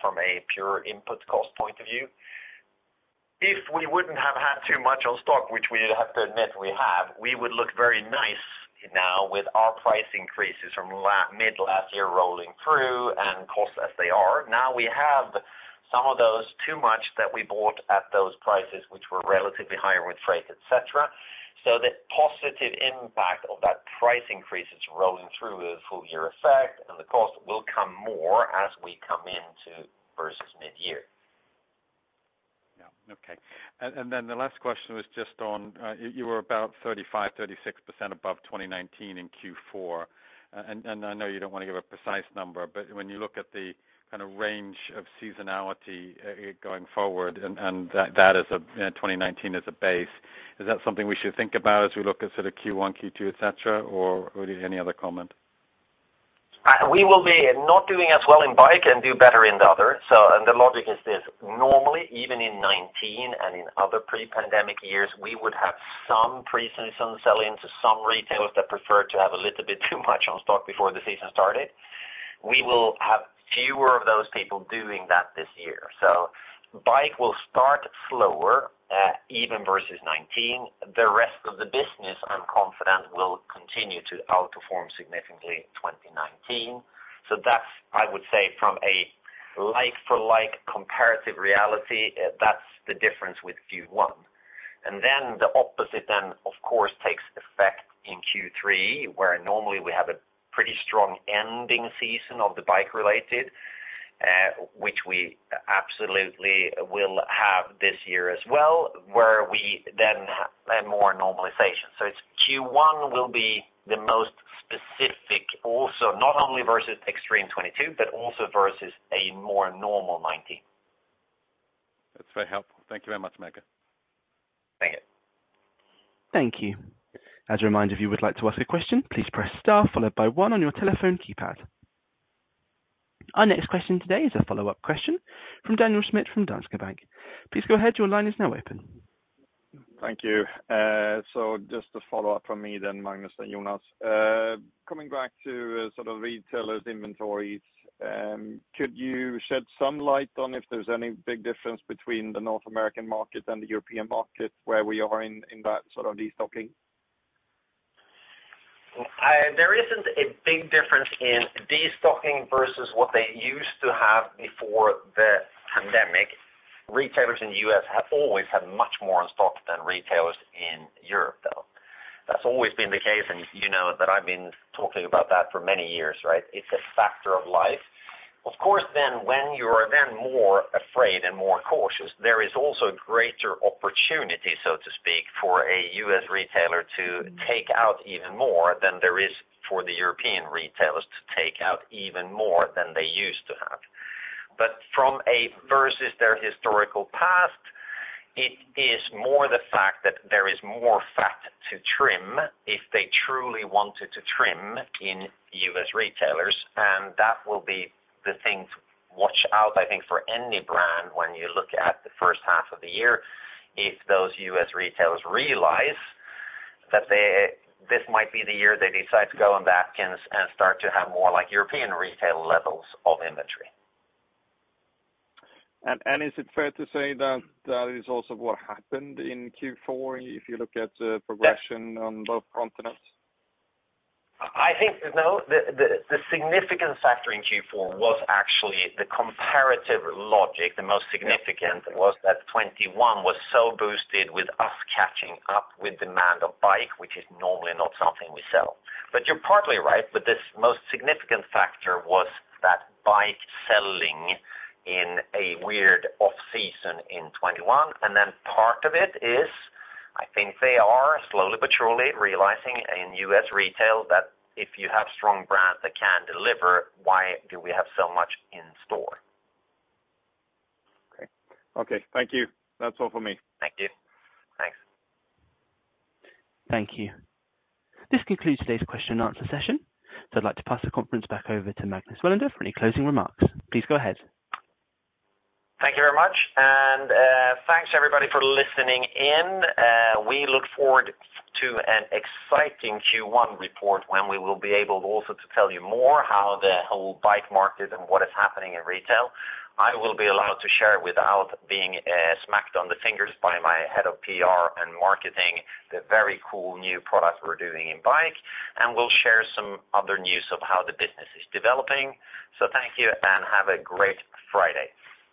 from a pure input cost point of view. If we wouldn't have had too much on stock, which we have to admit we have, we would look very nice now with our price increases from mid last year rolling through and costs as they are. We have some of those too much that we bought at those prices, which were relatively higher with freight, et cetera. The positive impact of that price increase is rolling through with full year effect, and the cost will come more as we come into versus mid-year. Okay. Then the last question was just on, you were about 35%-36% above 2019 in Q4. I know you don't wanna give a precise number, but when you look at the kind of range of seasonality going forward and that is a, you know, 2019 as a base, is that something we should think about as we look at sort of Q1, Q2, et cetera, or any other comment? We will be not doing as well in bike and do better in the other. The logic is this, normally even in 2019 and in other pre-pandemic years, we would have some pre-season sell-ins to some retailers that prefer to have a little bit too much on stock before the season started. We will have fewer of those people doing that this year. Bike will start slower, even versus 2019. The rest of the business, I'm confident will continue to outperform significantly in 2019. That's, I would say from a like for like comparative reality, that's the difference with Q1. The opposite then of course takes effect in Q3, where normally we have a pretty strong ending season of the bike-related, which we absolutely will have this year as well, where we then have more normalization. It's Q1 will be the most specific also, not only versus extreme 2022, but also versus a more normal 2019. That's very helpful. Thank you very much, Magnus. Thank you. Thank you. As a reminder, if you would like to ask a question, please press star followed by 1 on your telephone keypad. Our next question today is a follow-up question from Daniel Schmidt from Danske Bank. Please go ahead. Your line is now open. Thank you. Just a follow-up from me then, Magnus and Jonas. Coming back to sort of retailers inventories, could you shed some light on if there's any big difference between the North American market and the European market where we are in that sort of de-stocking? There isn't a big difference in de-stocking versus what they used to have before the pandemic. Retailers in the U.S. have always had much more on stock than retailers in Europe, though. That's always been the case. You know that I've been talking about that for many years, right? It's a factor of life. Of course then when you are then more afraid and more cautious, there is also greater opportunity, so to speak, for a U.S. retailer to take out even more than there is for the European retailers to take out even more than they used to have. From a versus their historical past, it is more the fact that there is more fat to trim if they truly wanted to trim in U.S. retailers. That will be the thing to watch out, I think for any brand when you look at the first half of the year, if those U.S. retailers realize. This might be the year they decide to go on Atkins and start to have more like European retail levels of inventory. Is it fair to say that that is also what happened in Q4 if you look at the progression on both continents? I think no. The significant factor in Q4 was actually the comparative logic. The most significant was that 2021 was so boosted with us catching up with demand of bike, which is normally not something we sell. You're partly right. This most significant factor was that bike selling in a weird off season in 2021. Part of it is I think they are slowly but surely realizing in U.S. retail that if you have strong brands that can deliver, why do we have so much in store? Okay. Okay, thank you. That's all for me. Thank you. Thanks. Thank you. This concludes today's question-and-answer session. I'd like to pass the conference back over to Magnus Welander for any closing remarks. Please go ahead. Thank you very much. Thanks everybody for listening in. We look forward to an exciting Q1 report when we will be able also to tell you more how the whole bike market and what is happening in retail. I will be allowed to share without being smacked on the fingers by my Head of PR and Marketing, the very cool new product we're doing in bike, and we'll share some other news of how the business is developing. Thank you. Have a great Friday.